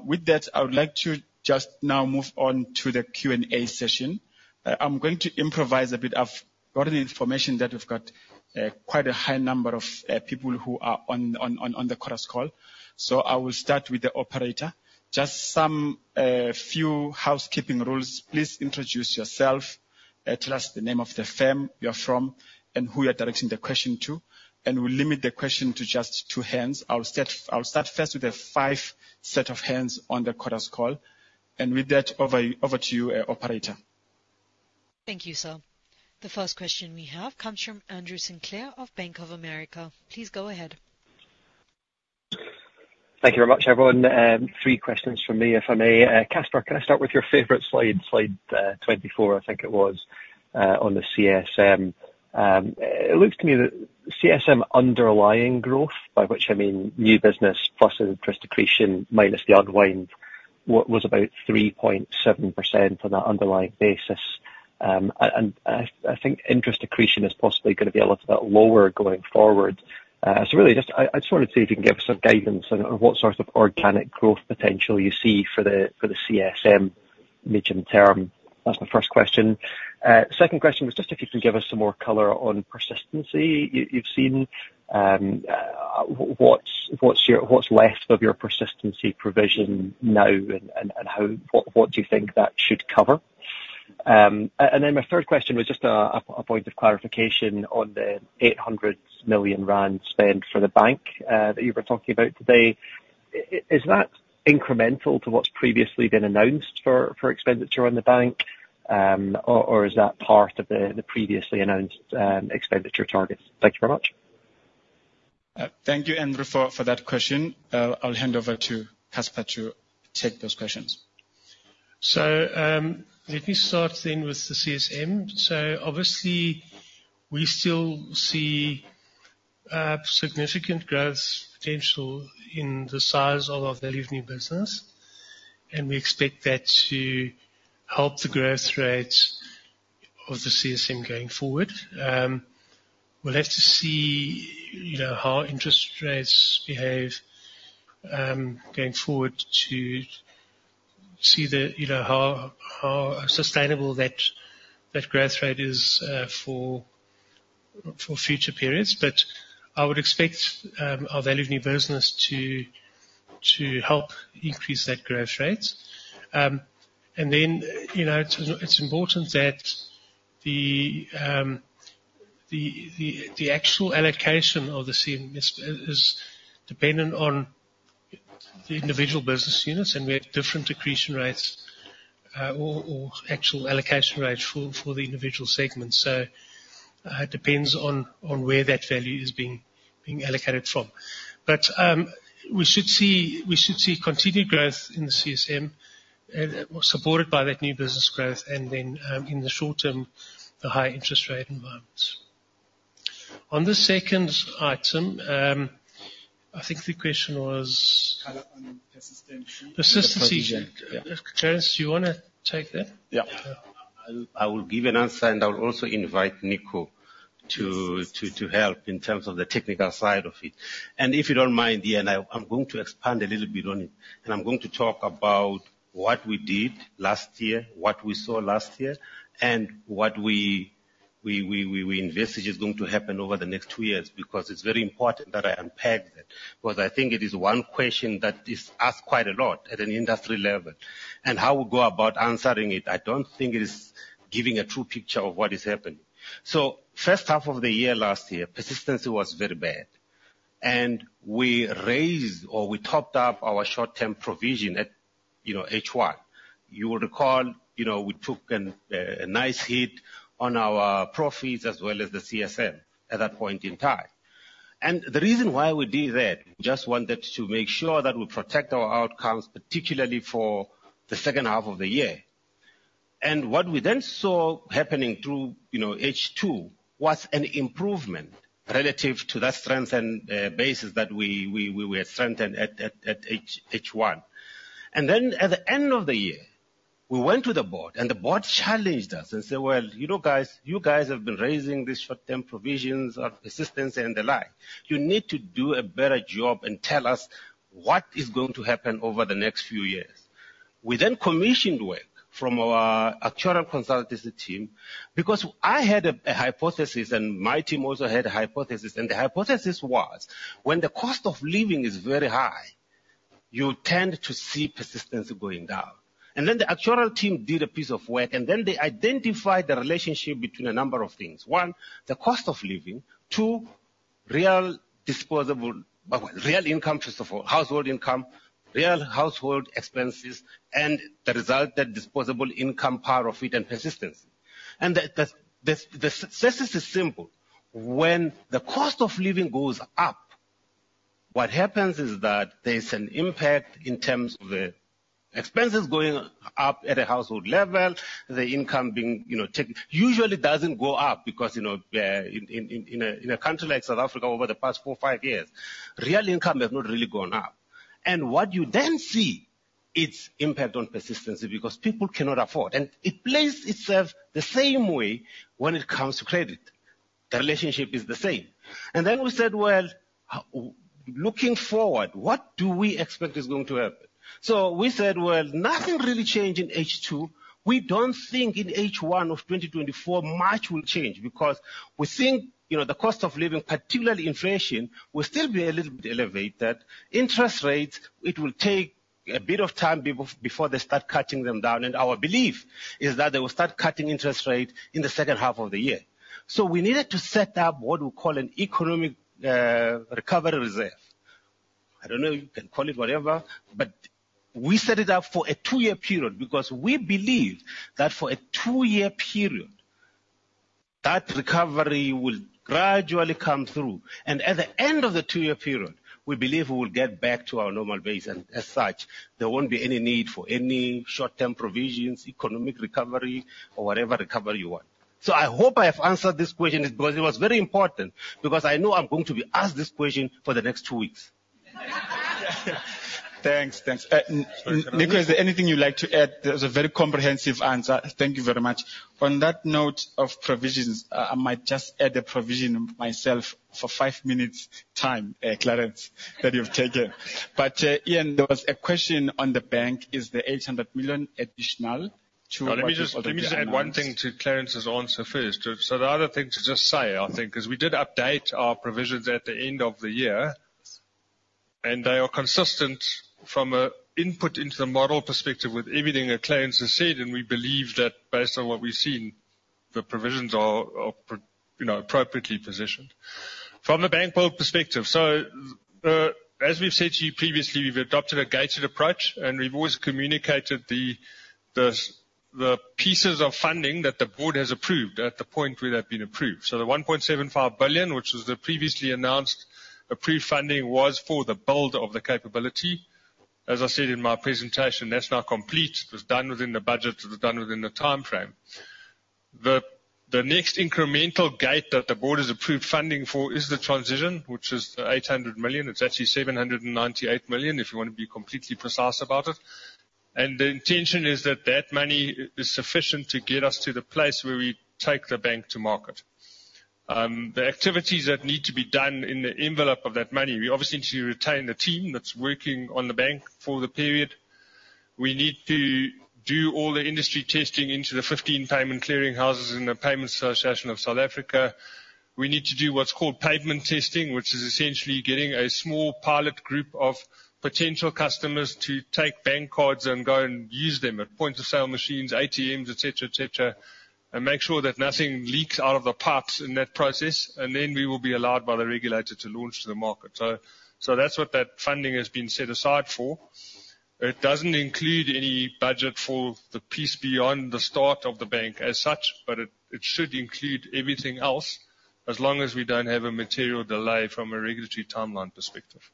With that, I would like to just now move on to the Q&A session. I'm going to improvise a bit; I've gotten information that we've got quite a high number of people who are on the Quarterly Call. So, I will start with the operator. Just some few housekeeping rules. Please introduce yourself. Tell us the name of the firm you're from and who you're directing the question to, and we'll limit the question to just two hands. I'll start first with the first set of hands on the Quarterly Call, and with that, over to you, Operator. Thank you, sir. The first question we have comes from Andrew Sinclair of Bank of America. Please go ahead. Thank you very much, everyone. 3 questions from me, if I may. Casper, can I start with your favorite slide, slide 24, I think it was, on the CSM? It looks to me that CSM underlying growth, by which I mean new business plus interest accretion minus the unwind, was about 3.7% on an underlying basis. And I think interest accretion is possibly going to be a little bit lower going forward. So, really, just I just wanted to see if you can give us some guidance on what sort of organic growth potential you see for the CSM medium term. That's my first question. Second question was just if you can give us some more color on persistency you've seen. What's left of your persistency provision now, and what do you think that should cover? And then my third question was just a point of clarification on the 800 million rand spend for the bank that you were talking about today. Is that incremental to what's previously been announced for expenditure on the bank, or is that part of the previously announced expenditure targets? Thank you very much. Thank you, Andrew, for that question. I'll hand over to Casper to take those questions. So, let me start then with the CSM. So, obviously, we still see significant growth potential in the size of our value of new business, and we expect that to help the growth rate of the CSM going forward. We'll have to see how interest rates behave going forward to see how sustainable that growth rate is for future periods. But I would expect our value of new business to help increase that growth rate. And then, it's important that the actual allocation of the CSM is dependent on the individual business units, and we have different accretion rates or actual allocation rates for the individual segments. So, it depends on where that value is being allocated from. But we should see continued growth in the CSM, supported by that new business growth, and then in the short term, the high interest rate environments. On the second item, I think the question was persistency. Kind of on persistency. Persistency. Clarence, do you want to take that? Yeah. I will give an answer, and I will also invite Nico to help in terms of the technical side of it. And if you don't mind, Iain, I'm going to expand a little bit on it, and I'm going to talk about what we did last year, what we saw last year, and what we invested is going to happen over the next two years, because it's very important that I unpack that, because I think it is one question that is asked quite a lot at an industry level. And how we go about answering it, I don't think it is giving a true picture of what is happening. So, first half of the year last year, persistency was very bad, and we raised or we topped up our short-term provision at H1. You will recall we took a nice hit on our profits as well as the CSM at that point in time. The reason why we did that, we just wanted to make sure that we protect our outcomes, particularly for the second half of the year. What we then saw happening through H2 was an improvement relative to that strengthened basis that we had strengthened at H1. Then, at the end of the year, we went to the Board, and the Board challenged us and said, "Well, you know, guys, you guys have been raising these short-term provisions or persistency and the like. You need to do a better job and tell us what is going to happen over the next few years." We then commissioned work from our actuarial consultancy team, because I had a hypothesis, and my team also had a hypothesis, and the hypothesis was, when the cost of living is very high, you tend to see persistency going down. And then the actuarial team did a piece of work, and then they identified the relationship between a number of things. One, the cost of living. Two, real disposable well, real income first of all, household income, real household expenses, and the resultant disposable income part of it and persistency. And the success is simple. When the cost of living goes up, what happens is that there's an impact in terms of the expenses going up at a household level, the income being usually doesn't go up, because in a country like South Africa, over the past four, five years, real income has not really gone up. And what you then see is its impact on persistency, because people cannot afford. And it plays itself the same way when it comes to credit. The relationship is the same. And then we said, "Well, looking forward, what do we expect is going to happen?" So, we said, "Well, nothing really changed in H2. We don't think in H1 of 2024, much will change, because we think the cost of living, particularly inflation, will still be a little bit elevated. Interest rates, it will take a bit of time before they start cutting them down, and our belief is that they will start cutting interest rates in the second half of the year. So, we needed to set up what we call an economic recovery reserve. I don't know if you can call it whatever, but we set it up for a two-year period, because we believe that for a two-year period, that recovery will gradually come through. And at the end of the two-year period, we believe we will get back to our normal base, and as such, there won't be any need for any short-term provisions, economic recovery, or whatever recovery you want. So, I hope I have answered this question, because it was very important, because I know I'm going to be asked this question for the next two weeks. Thanks. Thanks. Nico, is there anything you'd like to add? That was a very comprehensive answer. Thank you very much. On that note of provisions, I might just add a provision myself for five minutes' time, Clarence, that you've taken. But, Iain, there was a question on the bank. Is the 800 million additional to what? Let me just add one thing to Clarence's answer first. So, the other thing to just say, I think, is we did update our provisions at the end of the year, and they are consistent from an input into the model perspective with everything that Clarence has said, and we believe that, based on what we've seen, the provisions are appropriately positioned. From the bank build perspective, so, as we've said to you previously, we've adopted a gated approach, and we've always communicated the pieces of funding that the Board has approved at the point where they've been approved. So, the 1.75 billion, which was the previously announced approved funding, was for the build of the capability. As I said in my presentation, that's now complete. It was done within the budget. It was done within the timeframe. The next incremental gate that the Board has approved funding for is the transition, which is the 800 million. It's actually 798 million, if you want to be completely precise about it. The intention is that that money is sufficient to get us to the place where we take the bank to market. The activities that need to be done in the envelope of that money, we obviously need to retain the team that's working on the bank for the period. We need to do all the industry testing into the 15 payment clearinghouses in the Payment Association of South Africa. We need to do what's called pavement testing, which is essentially getting a small pilot group of potential customers to take bank cards and go and use them at points of sale machines, ATMs, etc., etc., and make sure that nothing leaks out of the parts in that process, and then we will be allowed by the regulator to launch to the market. So, that's what that funding has been set aside for. It doesn't include any budget for the piece beyond the start of the bank as such, but it should include everything else, as long as we don't have a material delay from a regulatory timeline perspective.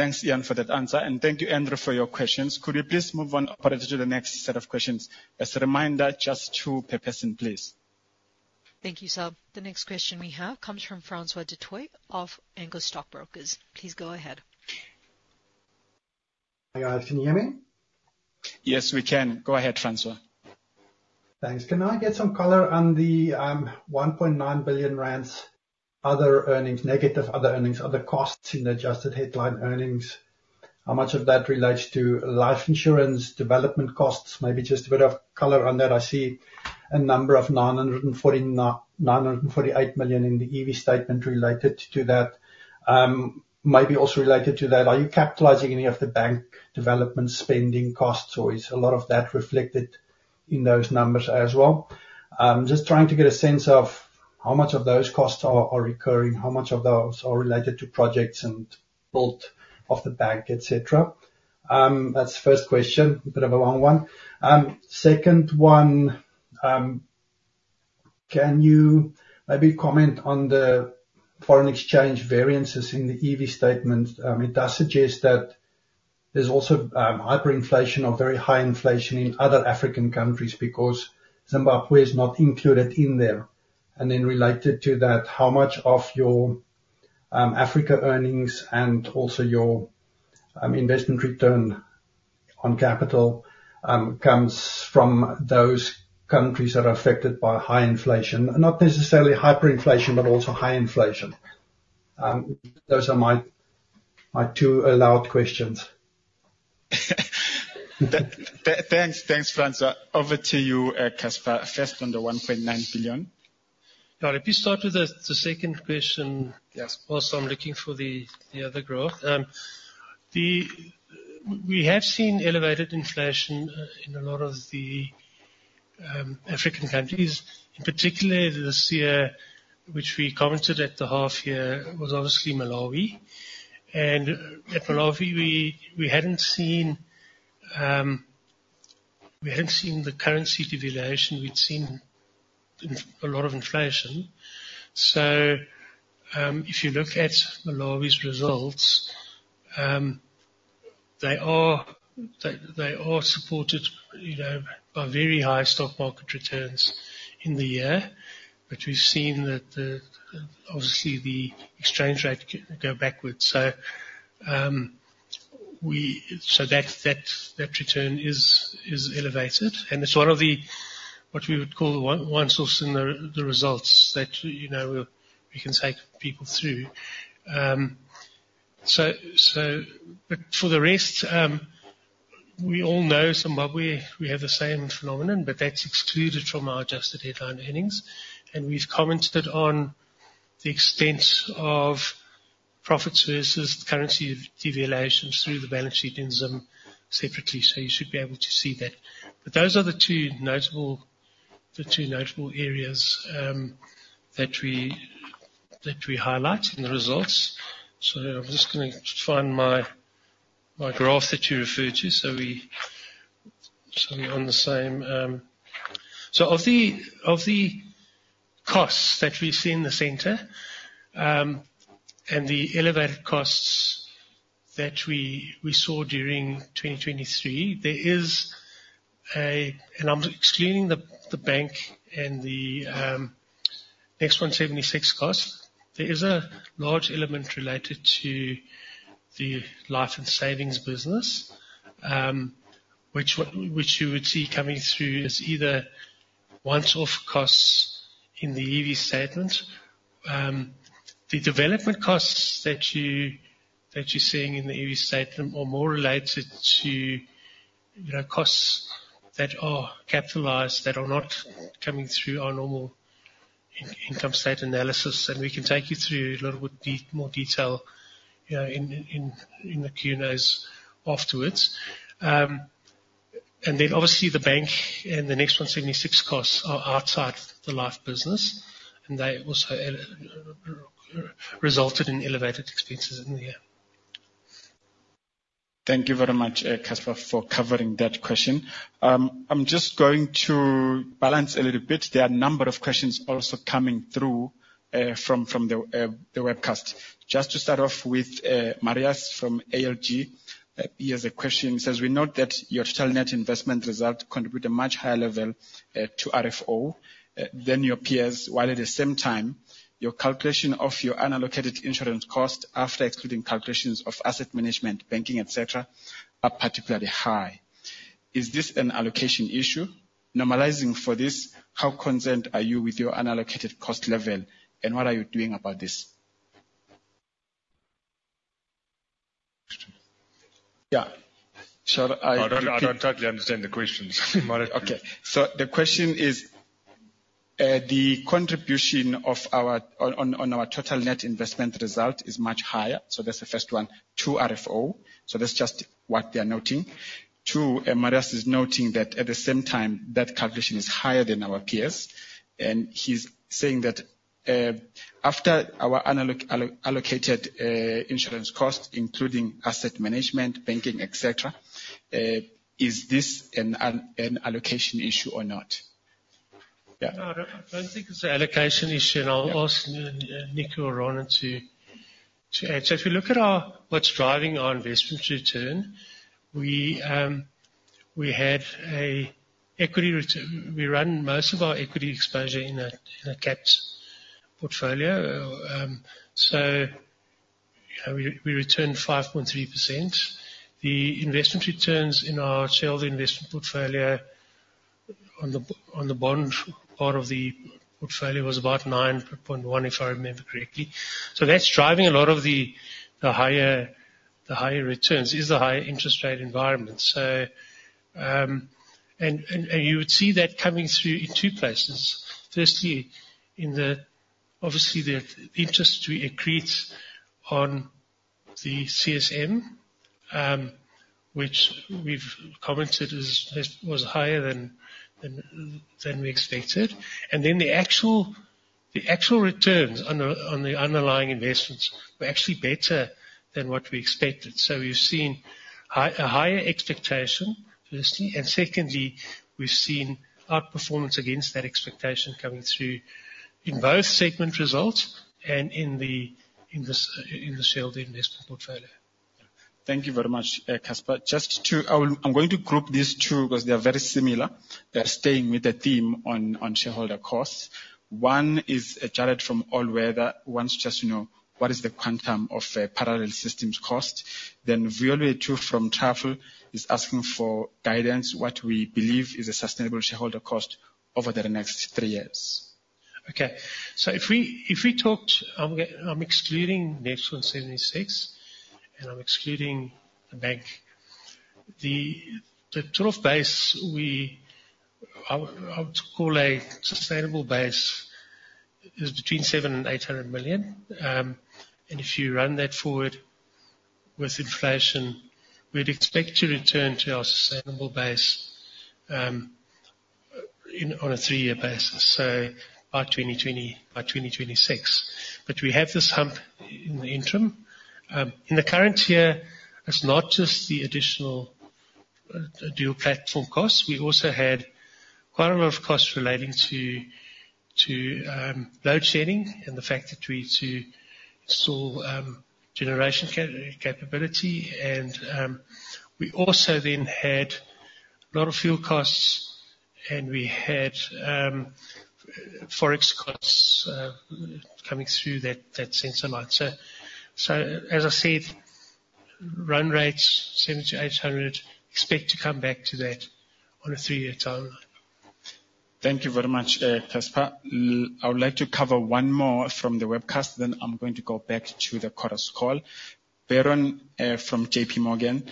Thanks, Iain, for that answer. Thank you, Andrew, for your questions. Could we please move on, Operator, to the next set of questions? As a reminder, just two per person, please. Thank you, sir. The next question we have comes from Francois du Toit of Anchor Stockbrokers. Please go ahead. Hi, guys. Can you hear me? Yes, we can. Go ahead, François. Thanks. Can I get some color on the 1.9 billion rand other earnings, negative other earnings, other costs in the adjusted headline earnings? How much of that relates to life insurance development costs? Maybe just a bit of color on that. I see a number of 948 million in the EV statement related to that. Maybe also related to that, are you capitalizing any of the bank development spending costs, or is a lot of that reflected in those numbers as well? Just trying to get a sense of how much of those costs are recurring, how much of those are related to projects and build of the bank, etc. That's the first question. Bit of a long one. Second one, can you maybe comment on the foreign exchange variances in the EV statement? It does suggest that there's also hyperinflation or very high inflation in other African countries because Zimbabwe is not included in there. Then related to that, how much of your Africa earnings and also your investment return on capital comes from those countries that are affected by high inflation? Not necessarily hyperinflation, but also high inflation. Those are my two allowed questions. Thanks. Thanks, François. Over to you, Casper. First on the 1.9 billion. Yeah, let me start with the second question, also. I'm looking for the other growth. We have seen elevated inflation in a lot of the African countries. In particular, this year, which we commented at the half here, was obviously Malawi. And at Malawi, we hadn't seen the currency devaluation. We'd seen a lot of inflation. So, if you look at Malawi's results, they are supported by very high stock market returns in the year, but we've seen that, obviously, the exchange rate go backwards. So, that return is elevated, and it's one of the what we would call the one source in the results that we can take people through. But for the rest, we all know Zimbabwe, we have the same phenomenon, but that's excluded from our Adjusted Headline Earnings. We've commented on the extent of profits versus currency devaluations through the balance sheet in Zim separately, so you should be able to see that. But those are the two notable areas that we highlight in the results. So, I'm just going to find my graph that you referred to, so we're on the same. So, of the costs that we've seen in the center and the elevated costs that we saw during 2023, there is a, and I'm excluding the bank and the NEXT176 cost. There is a large element related to the life and savings business, which you would see coming through as either once-off costs in the EV statement. The development costs that you're seeing in the EV statement are more related to costs that are capitalized, that are not coming through our normal income statement analysis. We can take you through a little bit more detail in the Q&As afterwards. Then, obviously, the bank and the NEXT176 costs are outside the life business, and they also resulted in elevated expenses in the year. Thank you very much, Casper, for covering that question. I'm just going to balance a little bit. There are a number of questions also coming through from the webcast. Just to start off with, Marius from ALG, he has a question. He says, "We note that your total net investment result contributed a much higher level to RFO than your peers, while at the same time, your calculation of your unallocated insurance cost, after excluding calculations of asset management, banking, etc., are particularly high. Is this an allocation issue? Normalising for this, how content are you with your unallocated cost level, and what are you doing about this? I don't totally understand the questions. Okay. So, the question is, the contribution on our total net investment result is much higher. So, that's the first one. To RFO. So, that's just what they're noting. Two, Marius is noting that, at the same time, that calculation is higher than our peers. And he's saying that, after our allocated insurance cost, including asset management, banking, etc., is this an allocation issue or not? Yeah. I don't think it's an allocation issue, and I'll ask Nico or Ranen to answer. If you look at what's driving our investment return, we had an equity we run most of our equity exposure in a capped portfolio, so we returned 5.3%. The investment returns in our shareholder investment portfolio, on the bond part of the portfolio, was about 9.1%, if I remember correctly. So, that's driving a lot of the higher returns, is the higher interest rate environment. And you would see that coming through in 2 places. Firstly, obviously, the interest we accrete on the CSM, which we've commented was higher than we expected. And then the actual returns on the underlying investments were actually better than what we expected. So, we've seen a higher expectation, firstly. And secondly, we've seen outperformance against that expectation coming through in both segment results and in the shareholder investment portfolio. Thank you very much, Casper. I'm going to group these two because they are very similar. They are staying with the theme on shareholder costs. One is Jarred from All Weather. He wants just to know what is the quantum of parallel systems cost. Then Violet, too, from Travel, is asking for guidance, what we believe is a sustainable shareholder cost over the next three years. Okay. So, if we talked I'm excluding NEXT176, and I'm excluding the bank. The total base, I would call a sustainable base, is between 700 million and 800 million. And if you run that forward with inflation, we'd expect to return to our sustainable base on a three-year basis, so by 2020, by 2026. But we have this hump in the interim. In the current year, it's not just the additional dual platform costs. We also had quite a lot of costs relating to load shedding and the fact that we need to install generation capability. And we also then had a lot of fuel costs, and we had forex costs coming through that sensor line. So, as I said, run rates 700 million to 800 million, expect to come back to that on a three-year timeline. Thank you very much, Casper. I would like to cover one more from the webcast, then I'm going to go back to the Quarters Call. Baron from JPMorgan,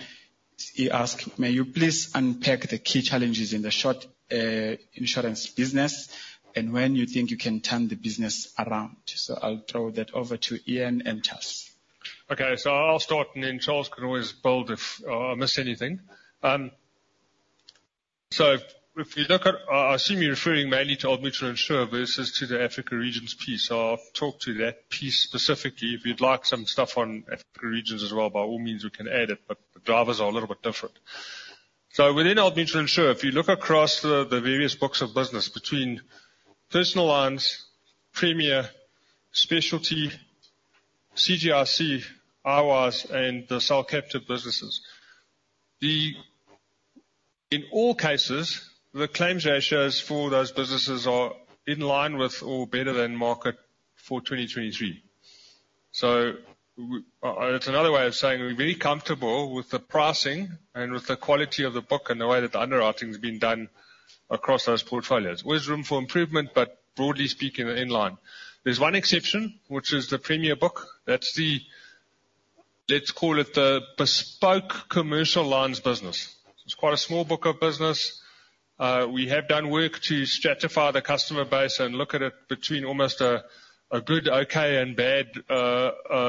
he asked, "May you please unpack the key challenges in the short-term insurance business and when you think you can turn the business around?" I'll throw that over to Iain and Tas. Okay. So, I'll start, and then Charles can always build if I miss anything. So, if you look at, I assume you're referring mainly to Old Mutual Insure versus to the Africa Regions piece. So, I'll talk to that piece specifically. If you'd like some stuff on Africa Regions as well, by all means, we can add it, but the drivers are a little bit different. So, within Old Mutual Insure, if you look across the various books of business between personal lines, Premier, Specialty, CGIC, iWYZE, and the sole captive businesses, in all cases, the claims ratios for those businesses are in line with or better than market for 2023. So, it's another way of saying we're very comfortable with the pricing and with the quality of the book and the way that the underwriting's been done across those portfolios. Always room for improvement, but broadly speaking, in line. There's one exception, which is the Premier book. That's the, let's call it, the bespoke commercial lines business. It's quite a small book of business. We have done work to stratify the customer base and look at it between almost a good, okay, and bad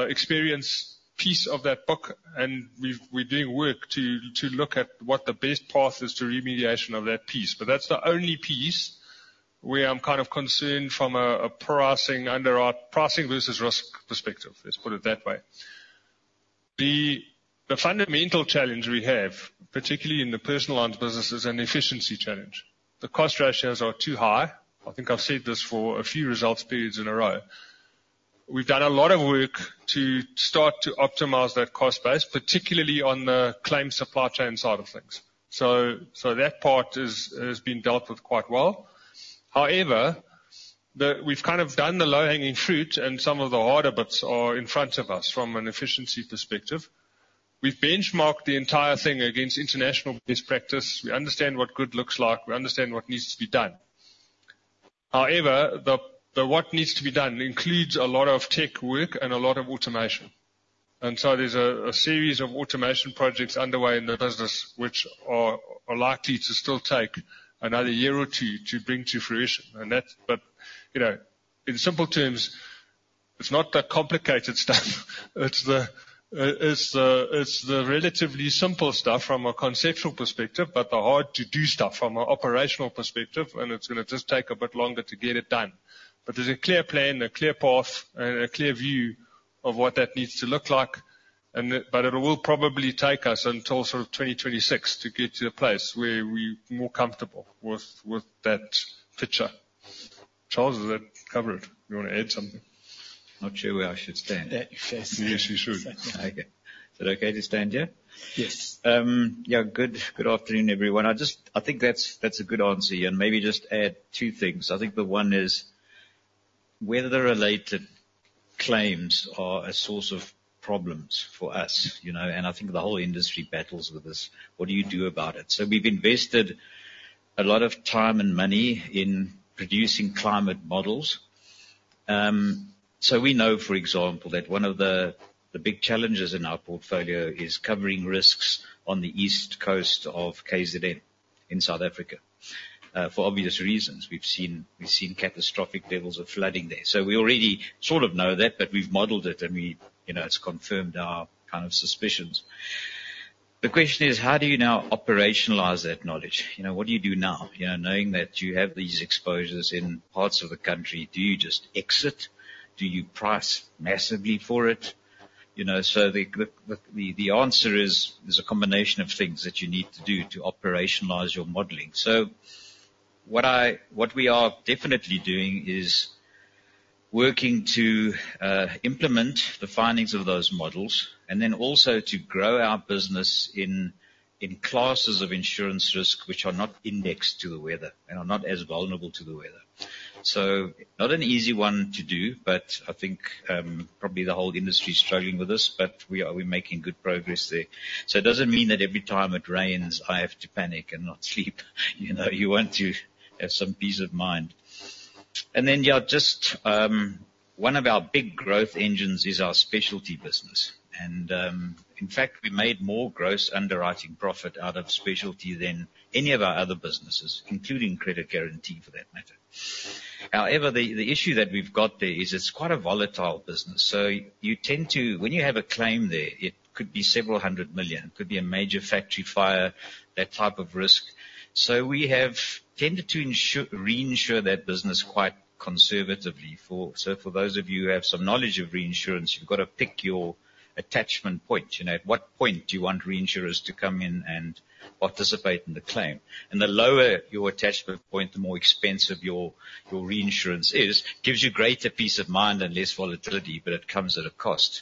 experience piece of that book. And we're doing work to look at what the best path is to remediation of that piece. But that's the only piece where I'm kind of concerned from a pricing versus risk perspective. Let's put it that way. The fundamental challenge we have, particularly in the personal lines business, is an efficiency challenge. The cost ratios are too high. I think I've said this for a few results periods in a row. We've done a lot of work to start to optimize that cost base, particularly on the claim supply chain side of things. That part has been dealt with quite well. However, we've kind of done the low-hanging fruit, and some of the harder bits are in front of us from an efficiency perspective. We've benchmarked the entire thing against international best practice. We understand what good looks like. We understand what needs to be done. However, the what needs to be done includes a lot of tech work and a lot of automation. So, there's a series of automation projects underway in the business, which are likely to still take another year or two to bring to fruition. In simple terms, it's not the complicated stuff. It's the relatively simple stuff from a conceptual perspective, but the hard-to-do stuff from an operational perspective. It's going to just take a bit longer to get it done. But there's a clear plan, a clear path, and a clear view of what that needs to look like. It will probably take us until sort of 2026 to get to a place where we're more comfortable with that feature. Charles, is that covered? You want to add something? Not sure where I should stand. Yes, you should. Okay. Is it okay to stand here? Yes. Yeah. Good afternoon, everyone. I think that's a good answer. Maybe just add two things. I think the one is whether the related claims are a source of problems for us. I think the whole industry battles with this. What do you do about it? So, we've invested a lot of time and money in producing climate models. So, we know, for example, that one of the big challenges in our portfolio is covering risks on the east coast of KZN in South Africa for obvious reasons. We've seen catastrophic levels of flooding there. So, we already sort of know that, but we've modeled it, and it's confirmed our kind of suspicions. The question is, how do you now operationalize that knowledge? What do you do now? Knowing that you have these exposures in parts of the country, do you just exit? Do you price massively for it? So, the answer is there's a combination of things that you need to do to operationalize your modeling. So, what we are definitely doing is working to implement the findings of those models and then also to grow our business in classes of insurance risk which are not indexed to the weather and are not as vulnerable to the weather. So, not an easy one to do, but I think probably the whole industry is struggling with this, but we're making good progress there. So, it doesn't mean that every time it rains, I have to panic and not sleep. You want to have some peace of mind. And then, yeah, just one of our big growth engines is our Specialty business. And in fact, we made more gross underwriting profit out of Specialty than any of our other businesses, including credit guarantee, for that matter. However, the issue that we've got there is it's quite a volatile business. So, when you have a claim there, it could be ZAR several hundred million. It could be a major factory fire, that type of risk. So, we have tended to reinsure that business quite conservatively. So, for those of you who have some knowledge of reinsurance, you've got to pick your attachment point. At what point do you want reinsurers to come in and participate in the claim? And the lower your attachment point, the more expensive your reinsurance is, gives you greater peace of mind and less volatility, but it comes at a cost.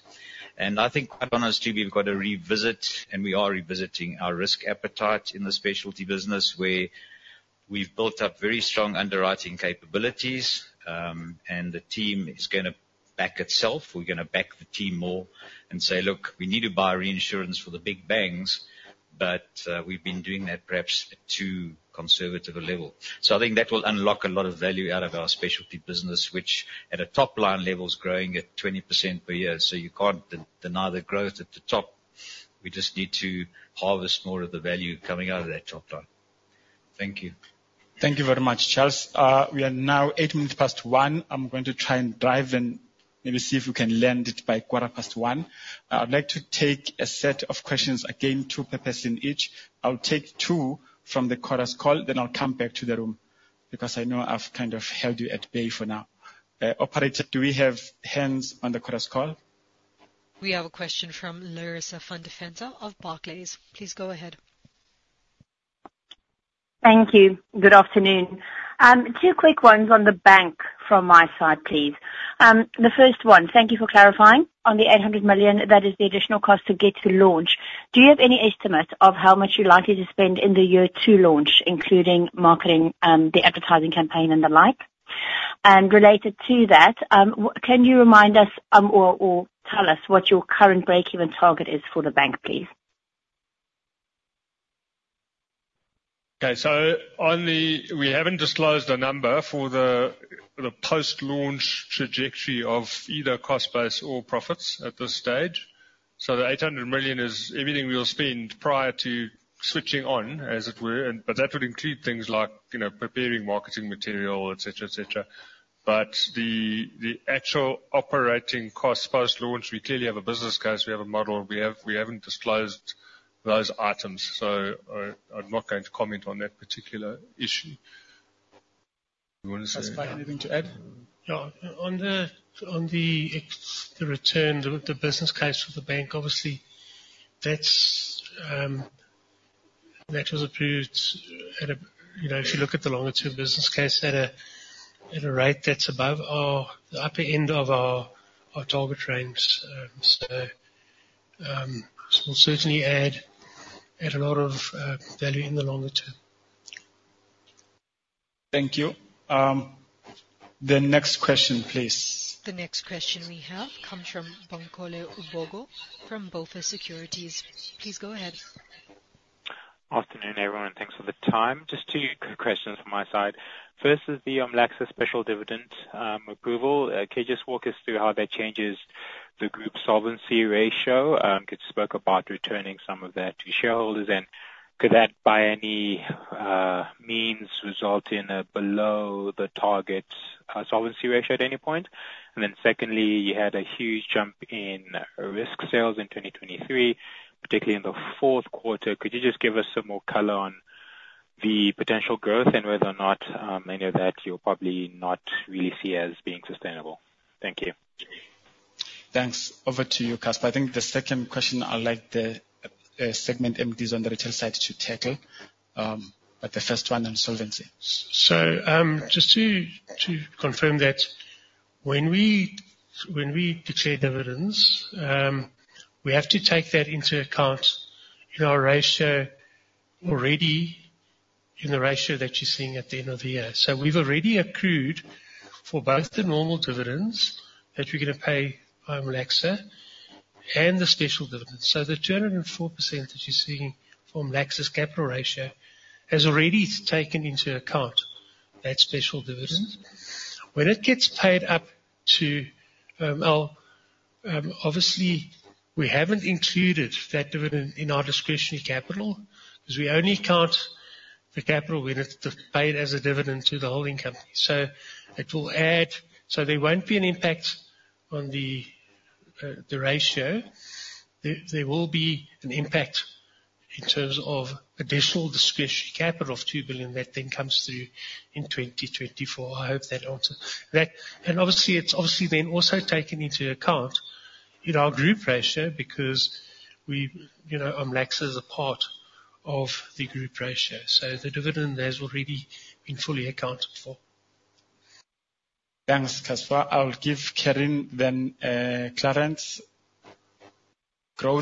And I think, quite honestly, we've got to revisit, and we are revisiting, our risk appetite in the Specialty business where we've built up very strong underwriting capabilities. And the team is going to back itself. We're going to back the team more and say, "Look, we need to buy reinsurance for the big bangs," but we've been doing that perhaps at too conservative a level. So, I think that will unlock a lot of value out of our Specialty business, which at a top line level is growing at 20% per year. So, you can't deny the growth at the top. We just need to harvest more of the value coming out of that top line. Thank you. Thank you very much, Charles. We are now 8 minutes past 1:00. I'm going to try and drive and maybe see if we can land it by quarter past 1:00. I'd like to take a set of questions again, 2 per person each. I'll take 2 from the quarterly call, then I'll come back to the room because I know I've kind of held you at bay for now. Operator, do we have hands on the quarterly call? We have a question from Larissa van Deventer of Barclays. Please go ahead. Thank you. Good afternoon. Two quick ones on the bank from my side, please. The first one, thank you for clarifying. On the 800 million, that is the additional cost to get to launch. Do you have any estimate of how much you're likely to spend in the year to launch, including marketing, the advertising campaign, and the like? And related to that, can you remind us or tell us what your current break-even target is for the bank, please? Okay. So, we haven't disclosed a number for the post-launch trajectory of either cost base or profits at this stage. So, the 800 million is everything we'll spend prior to switching on, as it were. But that would include things like preparing marketing material, etc., etc. But the actual operating costs post-launch, we clearly have a business case. We have a model. We haven't disclosed those items. So, I'm not going to comment on that particular issue. Do you want to say anything? Casper, anything to add? Yeah. On the return, the business case for the bank, obviously, that was approved at a, if you look at the longer-term business case, at a rate that's above the upper end of our target range. So, we'll certainly add a lot of value in the longer term. Thank you. The next question, please. The next question we have comes from Bankole Ubogu from BofA Securities. Please go ahead. Afternoon, everyone. Thanks for the time. Just two questions from my side. First is the OMLACSA special dividend approval. Can you just walk us through how that changes the group solvency ratio? You spoke about returning some of that to shareholders. Could that, by any means, result in a below-the-target solvency ratio at any point? Then secondly, you had a huge jump in risk sales in 2023, particularly in the fourth quarter. Could you just give us some more color on the potential growth and whether or not any of that you'll probably not really see as being sustainable? Thank you. Thanks. Over to you, Casper. I think the second question, I'd like the segment entities on the retail side to tackle, but the first one on solvency. Just to confirm that, when we declare dividends, we have to take that into account in our ratio already in the ratio that you're seeing at the end of the year. We've already accrued for both the normal dividends that we're going to pay by OMLACSA and the special dividends. The 204% that you're seeing from OMLACSA's capital ratio has already taken into account that special dividend. When it gets paid up to obviously, we haven't included that dividend in our discretionary capital because we only count the capital when it's paid as a dividend to the holding company. There won't be an impact on the ratio. There will be an impact in terms of additional discretionary capital of 2 billion that then comes through in 2024. I hope that answered. Obviously, it's obviously then also taken into account in our group ratio because OMLACSA is a part of the group ratio. The dividend has already been fully accounted for. Thanks, Casper. I'll give Kerrin then Clarence.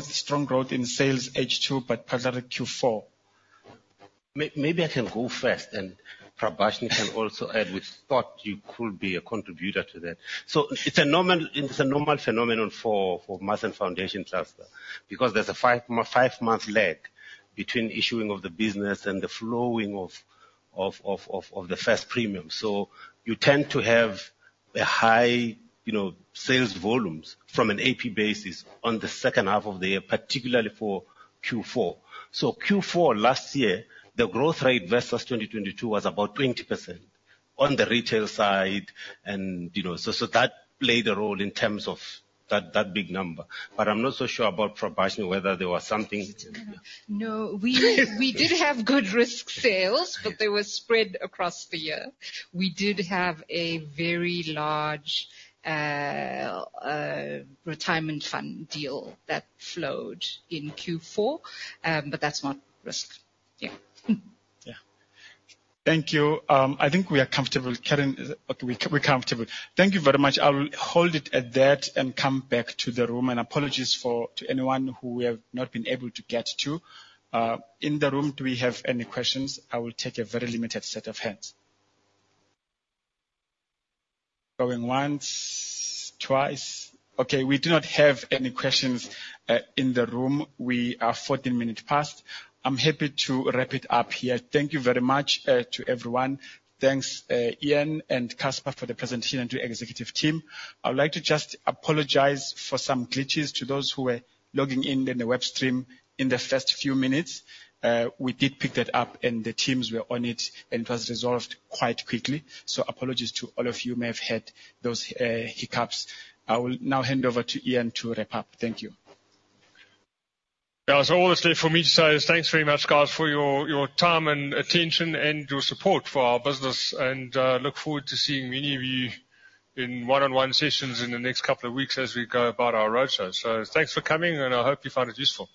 Strong growth in sales H2, but partly Q4. Maybe I can go first, and Prabashini can also add. We thought you could be a contributor to that. So, it's a normal phenomenon for the Mass and Foundation Cluster, Casper, because there's a 5-month lag between issuing of the business and the flowing of the first premium. So, you tend to have high sales volumes from an APE basis on the second half of the year, particularly for Q4. So, Q4 last year, the growth rate versus 2022 was about 20% on the retail side. And so, that played a role in terms of that big number. But I'm not so sure, Prabashini, whether there was something. No, we did have good risk sales, but they were spread across the year. We did have a very large retirement fund deal that flowed in Q4, but that's not risk. Yeah. Yeah. Thank you. I think we are comfortable. Kerrin, okay, we're comfortable. Thank you very much. I'll hold it at that and come back to the room. Apologies to anyone who we have not been able to get to. In the room, do we have any questions? I will take a very limited set of hands. Going once, twice. Okay, we do not have any questions in the room. We are 14 minutes past. I'm happy to wrap it up here. Thank you very much to everyone. Thanks, Iain and Casper, for the presentation and to the executive team. I would like to just apologize for some glitches to those who were logging in in the web stream in the first few minutes. We did pick that up, and the teams were on it, and it was resolved quite quickly. So, apologies to all of you who may have had those hiccups. I will now hand over to Iain to wrap up. Thank you. Yeah. So, all that's left for me to say is thanks very much, Charles, for your time and attention and your support for our business. And look forward to seeing many of you in one-on-one sessions in the next couple of weeks as we go about our roadshow. So, thanks for coming, and I hope you found it useful.